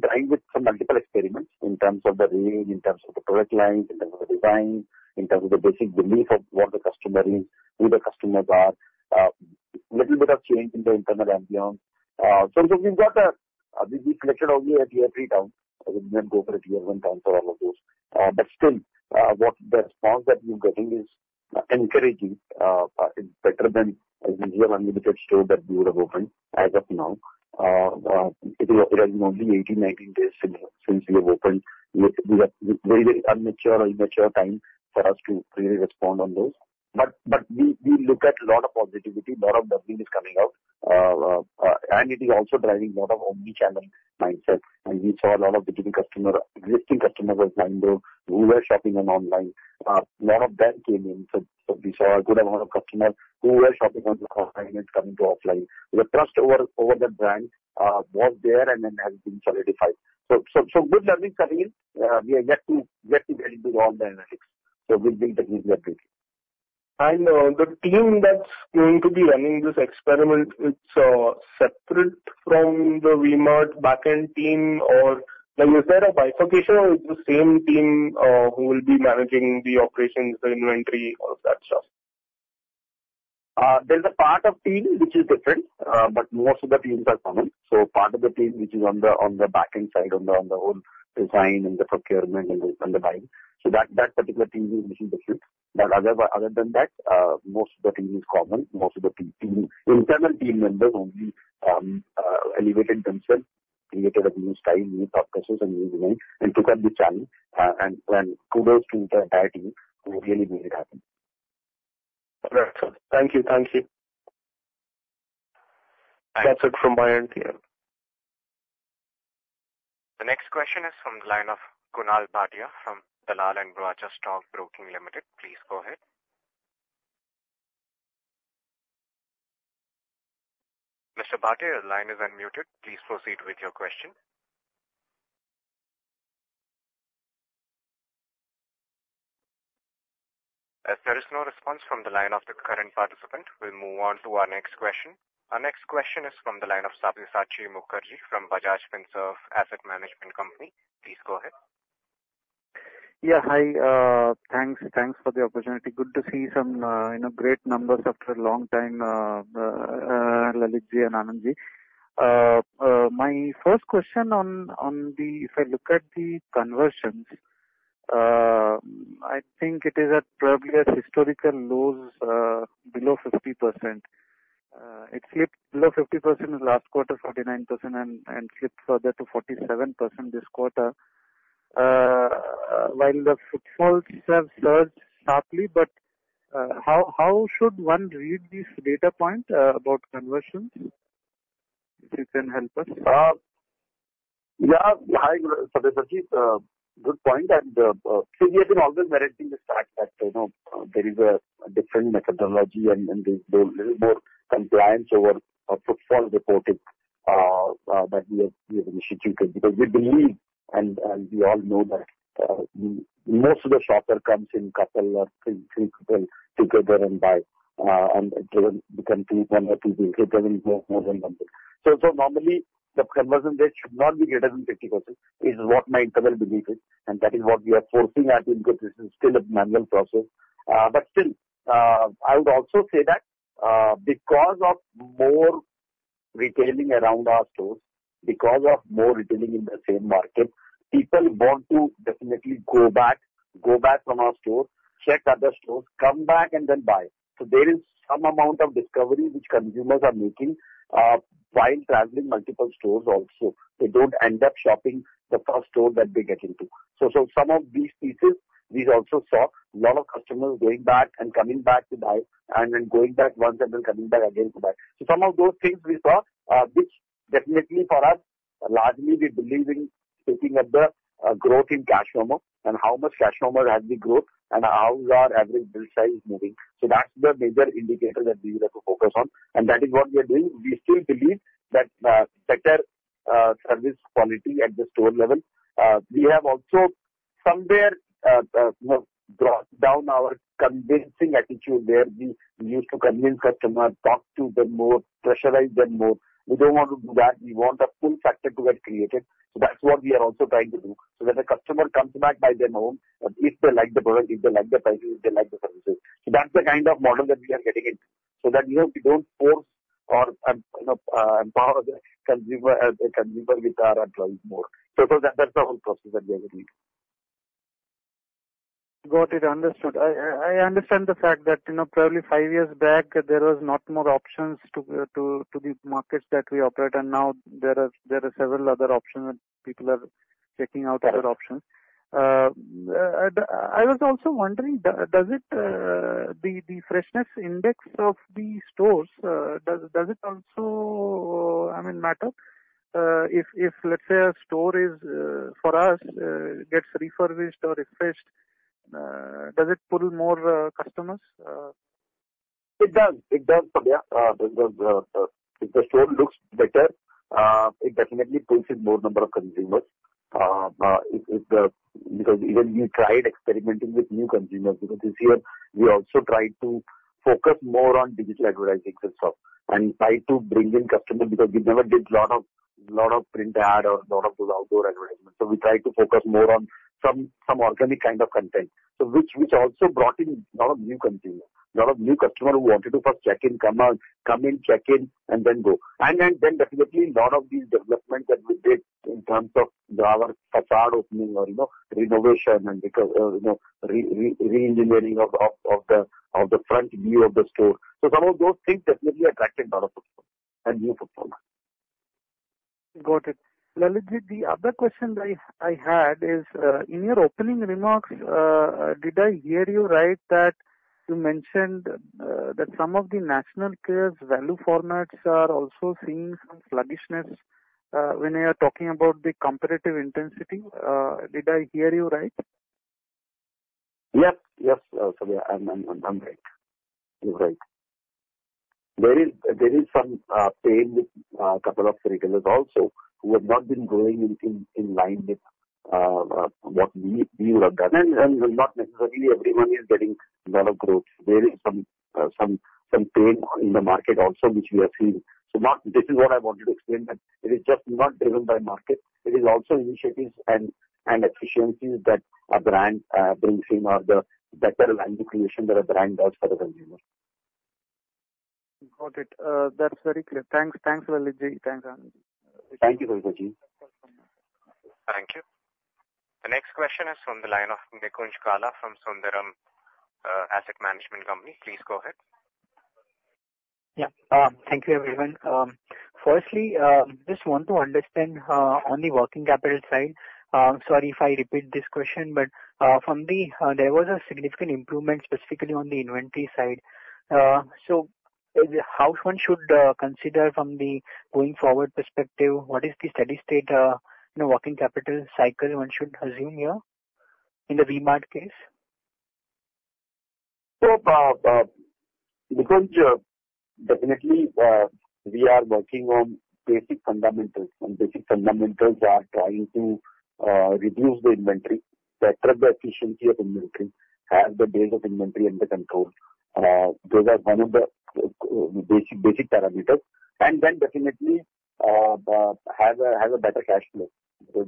trying with some multiple experiments in terms of the range, in terms of the product lines, in terms of the design, in terms of the basic belief of what the customer is, who the customers are. A little bit of change in the internal ambiance. So we've got a. We selected only a tier three town. We didn't go for a tier one town for all of those. But still, the response that we're getting is encouraging. It's better than a usual Unlimited store that we would have opened as of now. It has been only 18, 19 days since we have opened. We have very, very immature time for us to really respond on those. But we look at a lot of positivity. A lot of good things coming out. And it is also driving a lot of omnichannel mindset. And we saw a lot of existing customers at LimeRoad who were shopping online. A lot of them came in. So we saw a good amount of customers who were shopping online and coming to offline. The trust over the brand was there and then has been solidified. So good learnings coming in. We are yet to get into all the analytics. So we'll be taking it with that. And the team that's going to be running this experiment, it's separate from the V-Mart backend team? Or is there a bifurcation, or it's the same team who will be managing the operations, the inventory, all of that stuff? There's a part of team which is different. But most of the teams are common. So part of the team which is on the backend side, on the whole design and the procurement and the buying. So that particular team is a little different. But other than that, most of the team is common. Most of the internal team members only elevated themselves, created a new style, new purposes, and new design, and took up the challenge. And kudos to the entire team who really made it happen. All right. Thank you. Thank you. That's it from my end here. The next question is from the line of Kunal Bhatia from Dalal & Broacha Stock Broking. Please go ahead. Mr. Bhatia, your line is unmuted. Please proceed with your question. If there is no response from the line of the current participant, we'll move on to our next question. Our next question is from the line of Sabyasachi Mukerji from Bajaj Finserv Asset Management Company. Please go ahead. Yeah. Hi .Thanks for the opportunity. Good to see some great numbers after a long time, Lalit ji and Anand ji. My first question on the, if I look at the conversions, I think it is at probably a historical low below 50%. It slipped below 50% last quarter, 49%, and slipped further to 47% this quarter. While the footfalls have surged sharply, but how should one read this data point about conversions? If you can help us. Yeah. Hi, Sabyasachi. Good point. We have been always managing the fact that there is a different methodology and a little more compliance over footfall reporting that we have initiated. Because we believe, and we all know that most of the shopper comes in a couple or three people together and buy, and it doesn't become cheap on every vehicle. It doesn't move more than one vehicle. So normally, the conversion rate should not be greater than 50% is what my internal belief is. And that is what we are forcing at. This is still a manual process. But still, I would also say that because of more retailing around our stores, because of more retailing in the same market, people want to definitely go back, go back from our store, check other stores, come back, and then buy. So there is some amount of discovery which consumers are making while traveling multiple stores also. They don't end up shopping the first store that they get into. So some of these pieces, we also saw a lot of customers going back and coming back to buy, and then going back once and then coming back again to buy. So some of those things we saw, which definitely for us, largely we believe in taking up the growth in Casual format and how much Casual format has the growth and how our average bill size is moving. So that's the major indicator that we would have to focus on. And that is what we are doing. We still believe that better service quality at the store level. We have also somewhere brought down our convincing attitude where we used to convince customers, talk to them more, pressurize them more. We don't want to do that. We want a pull factor to get created. So that's what we are also trying to do. So that the customer comes back by their own if they like the product, if they like the prices, if they like the services. So that's the kind of model that we are getting into. So that we don't force or empower the consumer with our employees more. So that's the whole process that we are getting into. Got it. Understood. I understand the fact that probably five years back, there were not more options to the markets that we operate. And now there are several other options, and people are checking out other options. I was also wondering, does the freshness index of the stores, does it also, I mean, matter? If, let's say, a store for us gets refurbished or refreshed, does it pull more customers? It does. It does, Sabya. If the store looks better, it definitely pulls in more number of consumers. Because even we tried experimenting with new consumers. This year, we also tried to focus more on digital advertising and stuff and try to bring in customers because we never did a lot of print ad or a lot of those outdoor advertisements. So we tried to focus more on some organic kind of content. So which also brought in a lot of new consumers, a lot of new customers who wanted to first check in, come in, check in, and then go. And then definitely a lot of these developments that we did in terms of our facade opening or renovation and re-engineering of the front view of the store. So some of those things definitely attracted a lot of customers and new customers. Got it. Lalit Agarwal, the other question I had is, in your opening remarks, did I hear you right that you mentioned that some of the national chains' value formats are also seeing some sluggishness when you are talking about the competitive intensity? Did I hear you right? Yes. Yes. Sabya, I'm right. You're right. There is some pain with a couple of retailers also who have not been growing in line with what we would have done. And not necessarily everyone is getting a lot of growth. There is some pain in the market also which we have seen. So this is what I wanted to explain that it is just not driven by market. It is also initiatives and efficiencies that a brand brings in or the better value creation that a brand does for the consumer. Got it. That's very clear. Thanks. Thanks, Lalit Agarwal. Thanks, Anand Agarwal. Thank you, Sabyasachi Mukerji. Thank you. The next question is from the line of Nikunj Gala from Sundaram Asset Management Company. Please go ahead. Yeah. Thank you, everyone. Firstly, just want to understand on the working capital side. Sorry if I repeat this question, but there was a significant improvement specifically on the inventory side. So how one should consider from the going forward perspective, what is the steady-state working capital cycle one should assume here in the V-Mart case? Because definitely we are working on basic fundamentals. And basic fundamentals are trying to reduce the inventory, better the efficiency of inventory, have the base of inventory under control. Those are one of the basic parameters. Then definitely have a better cash flow.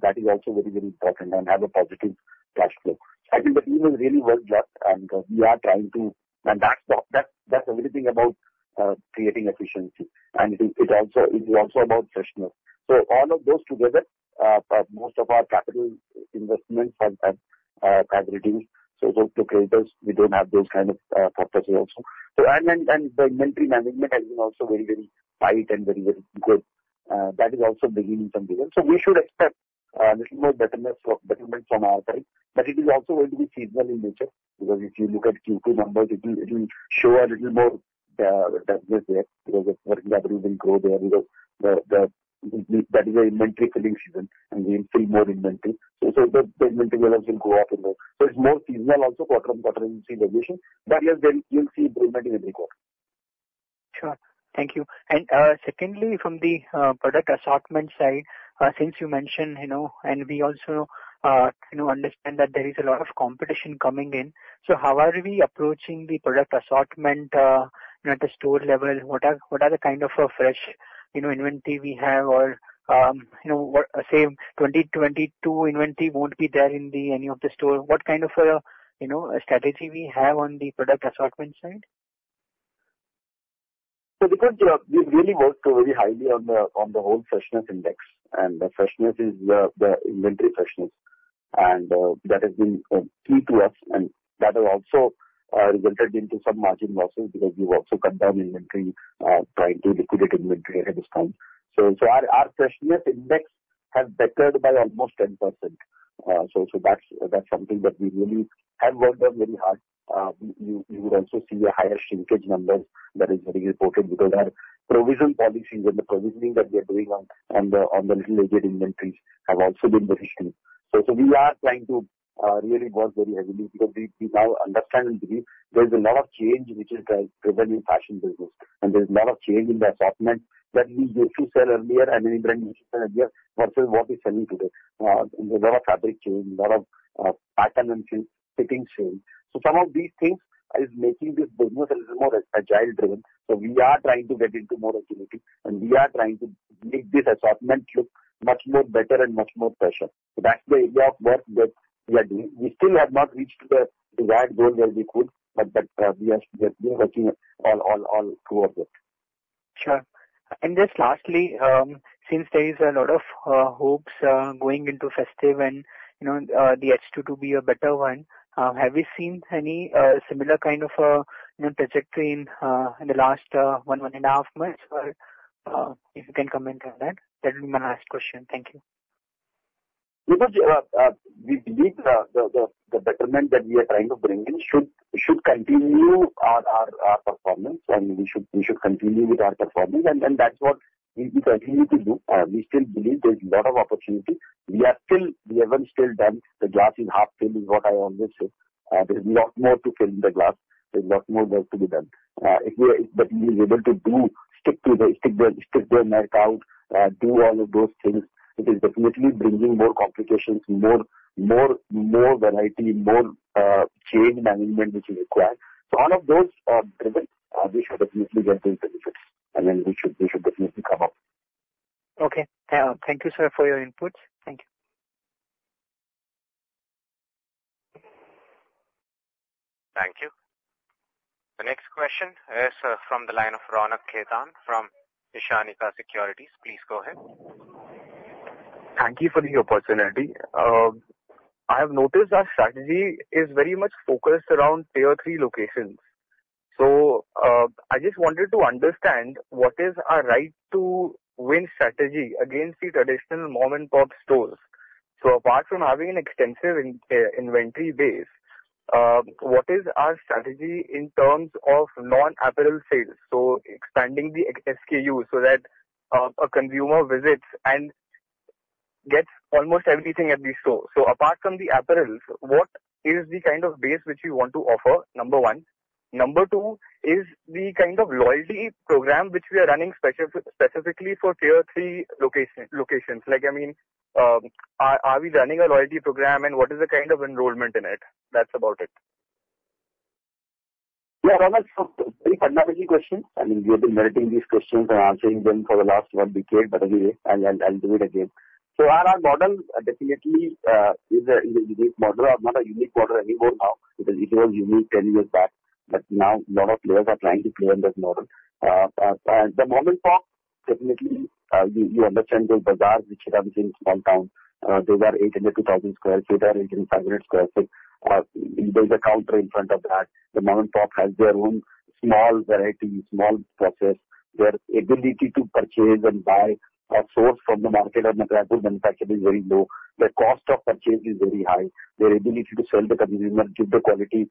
That is also very, very important and have a positive cash flow. I think the team has really worked a lot, and we are trying to. That's everything about creating efficiency. It is also about freshness. So all of those together, most of our capital investments have reduced. So those two quarters, we don't have those kind of CapEx also. And the inventory management has been also very, very tight and very, very good. That is also for some reason. So we should expect a little more betterment from our side. But it is also going to be seasonal in nature. Because if you look at Q2 numbers, it will show a little more business there. Because the working capital will grow there because that is an inventory filling season, and we will fill more inventory. So the inventory levels will go up. So it's more seasonal also, quarter-on-quarter you'll see variation. But yes, you'll see improvement in every quarter. Sure. Thank you. And secondly, from the product assortment side, since you mentioned, and we also understand that there is a lot of competition coming in. So how are we approaching the product assortment at the store level? What are the kind of fresh inventory we have? Or say 2022 inventory won't be there in any of the stores. What kind of a strategy we have on the product assortment side? So we've really worked very highly on the whole freshness index. And the freshness is the inventory freshness. And that has been key to us. That has also resulted in some margin losses because we've also cut down inventory, trying to liquidate inventory at this time. Our freshness index has bettered by almost 10%. That's something that we really have worked on very hard. You would also see the higher shrinkage numbers that are being reported because our provision policies and the provisioning that we are doing on the little-aged inventories have also been very strong. We are trying to really work very heavily because we now understand and believe there's a lot of change which is driven in fashion business. There's a lot of change in the assortment that we used to sell earlier and any brand used to sell earlier versus what we're selling today. There's a lot of fabric change, a lot of pattern and fittings change. So some of these things are making this business a little more agile-driven. So we are trying to get into more agility. And we are trying to make this assortment look much more better and much more fresher. So that's the area of work that we are doing. We still have not reached the desired goal where we could, but we are still working all towards it. Sure. And just lastly, since there is a lot of hopes going into festive and the H22 be a better one, have we seen any similar kind of trajectory in the last one, one and a half months? If you can comment on that, that would be my last question. Thank you. Because we believe the betterment that we are trying to bring in should continue our performance, and we should continue with our performance. And that's what we continue to do. We still believe there's a lot of opportunity. We haven't still done the glass is half filled, is what I always say. There's a lot more to fill in the glass. There's a lot more work to be done. If we are able to stick the neck out, do all of those things, it is definitely bringing more complications, more variety, more change management which is required. So all of those driven, we should definitely get those benefits. And then we should definitely come up. Okay. Thank you, sir, for your input. Thank you. Thank you. The next question is from the line of Ronak Khetan from Ishanika Securities. Please go ahead. Thank you for the opportunity. I have noticed our strategy is very much focused around tier three locations. So I just wanted to understand what is our right-to-win strategy against the traditional mom-and-pop stores. So apart from having an extensive inventory base, what is our strategy in terms of non-apparel sales? So expanding the SKU so that a consumer visits and gets almost everything at the store. So apart from the apparels, what is the kind of base which you want to offer, number one? Number two is the kind of loyalty program which we are running specifically for tier three locations? I mean, are we running a loyalty program, and what is the kind of enrollment in it? That's about it. Yeah, Ronak, very fundamental questions. I mean, we have been meditating these questions and answering them for the last one decade, but anyway, I'll do it again. So our model definitely is a unique model. I'm not a unique model anymore now. It was unique 10 years back. But now a lot of players are trying to play on this model. The mom-and-pop, definitely, you understand those bazaars which are in small towns. Those are 800 sq ft-1,000 sq ft or 800 sq ft-500 sq ft. There's a counter in front of that. The mom-and-pop has their own small variety, small process. Their ability to purchase and buy or source from the market or the manufacturer is very low. The cost of purchase is very high. Their ability to sell the consumer, give the quality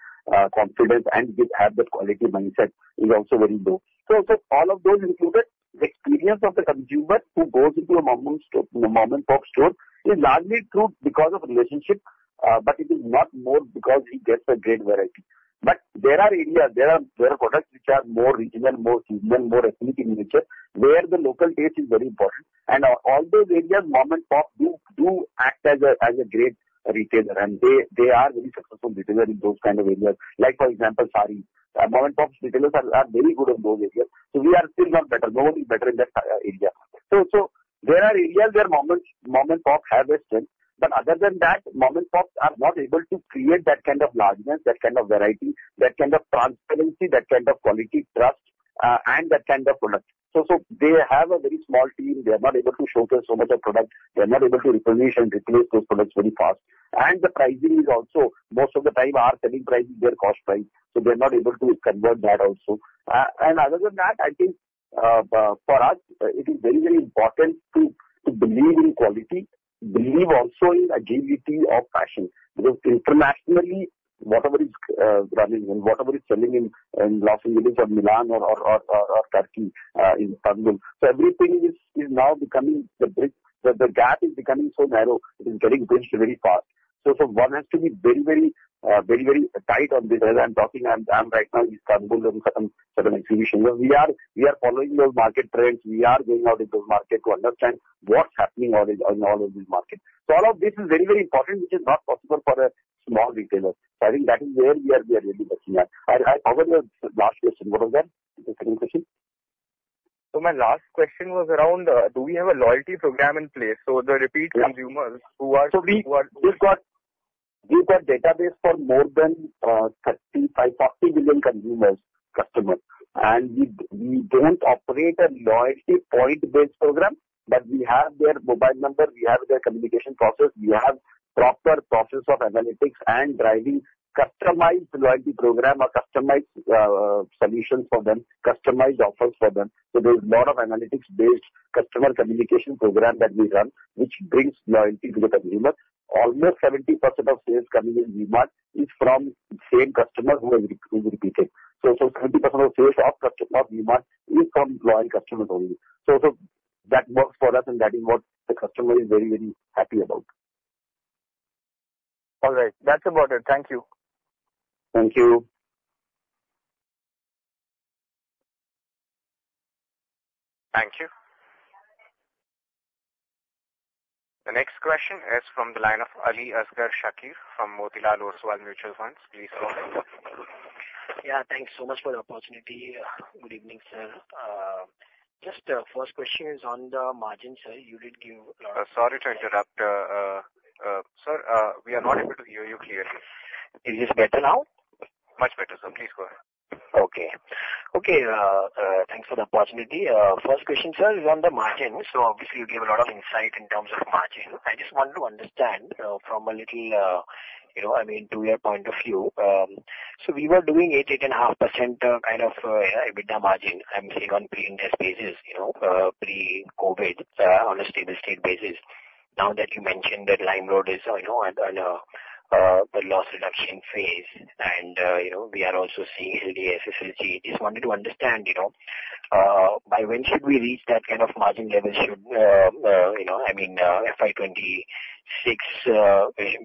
confidence, and have the quality mindset is also very low. So all of those included, the experience of the consumer who goes into a mom-and-pop store is largely true because of relationship, but it is not more because he gets a great variety. But there are areas where products which are more regional, more seasonal, more ethnic in nature where the local taste is very important. And all those areas, mom-and-pop do act as a great retailer. And they are very successful retailers in those kind of areas. Like, for example, sarees. Mom-and-pop retailers are very good in those areas. So we are still not better. Nobody's better in that area. So there are areas where mom-and-pop have a strength. But other than that, mom-and-pops are not able to create that kind of largeness, that kind of variety, that kind of transparency, that kind of quality trust, and that kind of product. So they have a very small team. They are not able to showcase so much of product. They are not able to reproduce and replace those products very fast. And the pricing is also, most of the time, our selling price is their cost price. So they are not able to convert that also. Other than that, I think for us, it is very, very important to believe in quality, believe also in agility of fashion. Because internationally, whatever is running and whatever is selling in Los Angeles or Milan or Turkey in Istanbul, so everything is now becoming the gap is becoming so narrow. It is getting bridged very fast. So one has to be very, very tight on this. As I'm talking, I'm right now in Istanbul doing certain exhibitions. We are following those market trends. We are going out in those markets to understand what's happening in all of these markets. So all of this is very, very important, which is not possible for a small retailer. So I think that is where we are really looking at. I covered the last question. What was that? The second question? So my last question was around, do we have a loyalty program in place? So the repeat consumers who are— we've got a database for more than 35 million-40 million consumers, customers. And we don't operate a loyalty point-based program, but we have their mobile number. We have their communication process. We have proper process of analytics and driving customized loyalty program or customized solutions for them, customized offers for them. So there's a lot of analytics-based customer communication program that we run, which brings loyalty to the consumer. Almost 70% of sales coming in V-Mart is from the same customer who is repeating. So 70% of sales of V-Mart is from loyal customers only. So that works for us, and that is what the customer is very, very happy about. All right. That's about it. Thank you. Thank you. Thank you. The next question is from the line of Ali Asghar Shakir from Motilal Oswal. Please go ahead. Yeah. Thanks so much for the opportunity. Good evening, sir. Just the first question is on the margin, sir. You did give a lot of— Sorry to interrupt, sir. We are not able to hear you clearly. Is this better now? Much better, sir. Please go ahead. Okay. Okay. Thanks for the opportunity. First question, sir, is on the margin. So obviously, you gave a lot of insight in terms of margin. I just want to understand from a little, I mean, to your point of view. So we were doing 8%-8.5% kind of EBITDA margin. I'm seeing on pre-interest basis pre-COVID on a steady-state basis. Now that you mentioned that LimeRoad is at a loss reduction phase, and we are also seeing LFL, SSG, just wanted to understand, by when should we reach that kind of margin level? Should, I mean, FY26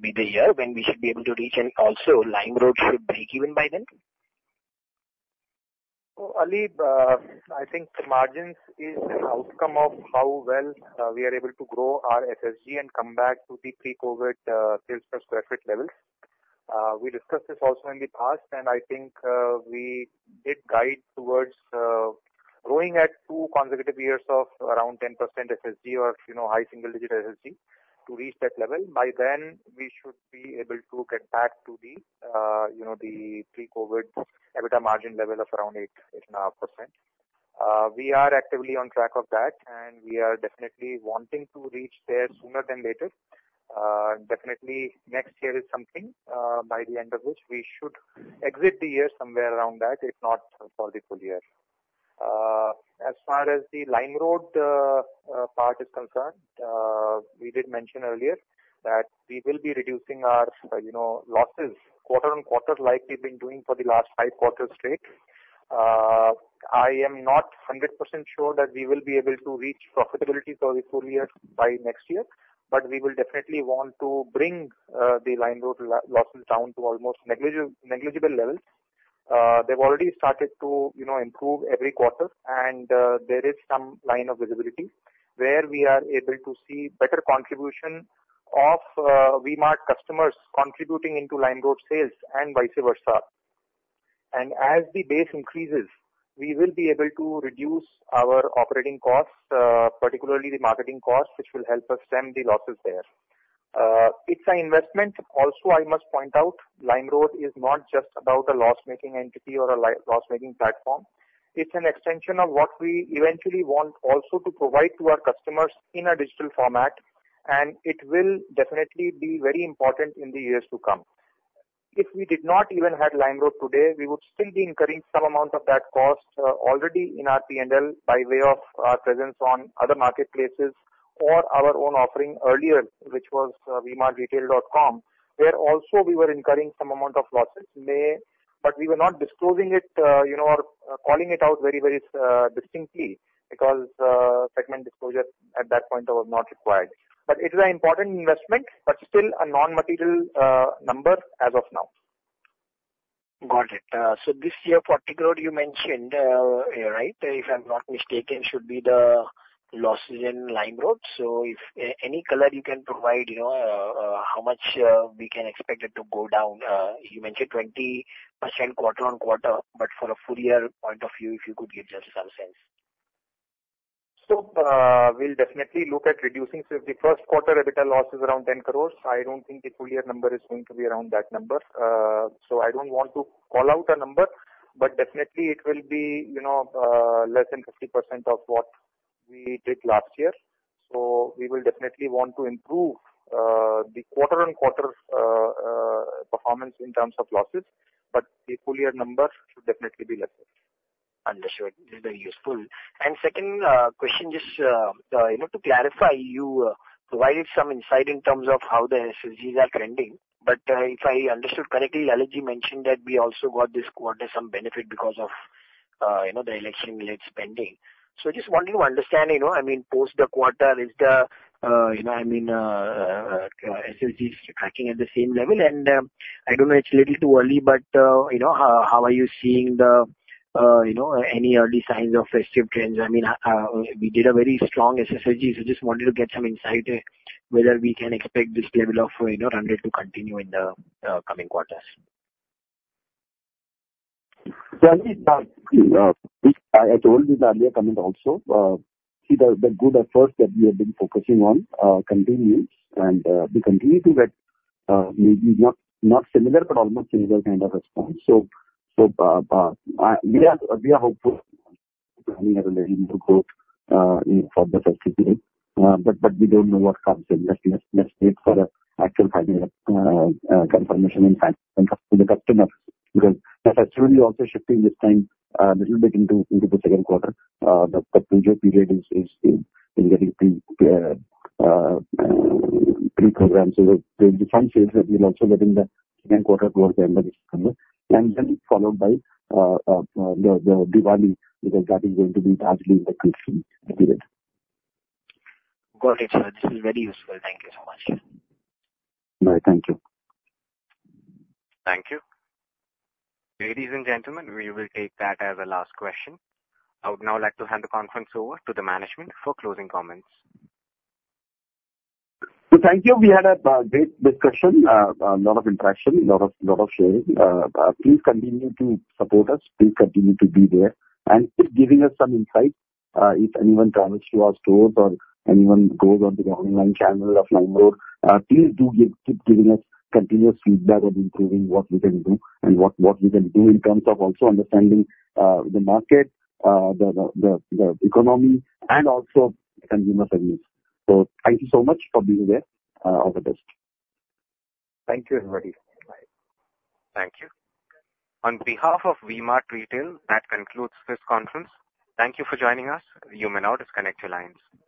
be the year when we should be able to reach? And also, LimeRoad should break even by then? Ali, I think the margins is an outcome of how well we are able to grow our SSG and come back to the pre-COVID sales per square foot levels. We discussed this also in the past, and I think we did guide towards growing at two consecutive years of around 10% SSG or high single-digit SSG to reach that level. By then, we should be able to get back to the pre-COVID EBITDA margin level of around 8%-8.5%. We are actively on track of that, and we are definitely wanting to reach there sooner than later. Definitely, next year is something by the end of which we should exit the year somewhere around that, if not for the full year. As far as the LimeRoad part is concerned, we did mention earlier that we will be reducing our losses quarter-on-quarter like we've been doing for the last five quarters straight. I am not 100% sure that we will be able to reach profitability for the full year by next year, but we will definitely want to bring the LimeRoad losses down to almost negligible levels. They've already started to improve every quarter, and there is some line of visibility where we are able to see better contribution of V-Mart customers contributing into LimeRoad sales and vice versa. As the base increases, we will be able to reduce our operating costs, particularly the marketing costs, which will help us stem the losses there. It's an investment. Also, I must point out, LimeRoad is not just about a loss-making entity or a loss-making platform. It's an extension of what we eventually want also to provide to our customers in a digital format, and it will definitely be very important in the years to come. If we did not even have LimeRoad today, we would still be incurring some amount of that cost already in our P&L by way of our presence on other marketplaces or our own offering earlier, which was vmartretail.com, where also we were incurring some amount of losses. But we were not disclosing it or calling it out very, very distinctly because segment disclosure at that point was not required. But it is an important investment, but still a non-material number as of now. Got it. So this year, particularly, you mentioned, right, if I'm not mistaken, should be the losses in LimeRoad. So if any color you can provide, how much we can expect it to go down? You mentioned 20% quarter-over-quarter, but for a full year point of view, if you could give just some sense. So we'll definitely look at reducing. So if the first quarter EBITDA loss is around 10 crores, I don't think the full year number is going to be around that number. So I don't want to call out a number, but definitely it will be less than 50% of what we did last year. So we will definitely want to improve the quarter-over-quarter performance in terms of losses, but the full year number should definitely be lesser. Understood. This is very useful. And second question, just to clarify, you provided some insight in terms of how the SSGs are trending, but if I understood correctly, Ali, you mentioned that we also got this quarter some benefit because of the election-related spending. So just wanting to understand, I mean, post the quarter, is the, I mean, SSGs tracking at the same level? And I don't know if it's a little too early, but how are you seeing any early signs of festive trends? I mean, we did a very strong SSG, so just wanted to get some insight whether we can expect this level of run rate to continue in the coming quarters. I told you the earlier comment also. See, the good efforts that we have been focusing on continues, and we continue to get maybe not similar, but almost similar kind of response. So we are hopeful to have a realisation of growth for the festive period, but we don't know what comes. Let's wait for actual financial confirmation and win the customers. Because that's actually also shifting this time a little bit into the second quarter. The Puja period is getting preponed. So there will be some sales that we're also getting the second quarter towards the end of the second quarter, and then followed by the Diwali, because that is going to be largely in the third quarter. Got it, sir. This is very useful. Thank you so much. All right. Thank you. Thank you. Ladies and gentlemen, we will take that as the last question. I would now like to hand the conference over to the management for closing comments. So thank you. We had a great discussion, a lot of interaction, a lot of sharing. Please continue to support us. Please continue to be there and keep giving us some insight. If anyone travels to our stores or anyone goes onto the online channel of LimeRoad, please do keep giving us continuous feedback on improving what we can do and what we can do in terms of also understanding the market, the economy, and also consumer segments. So thank you so much for being there. All the best. Thank you, everybody. Bye. Thank you. On behalf of V-Mart Retail, that concludes this conference. Thank you for joining us. You may now disconnect your lines.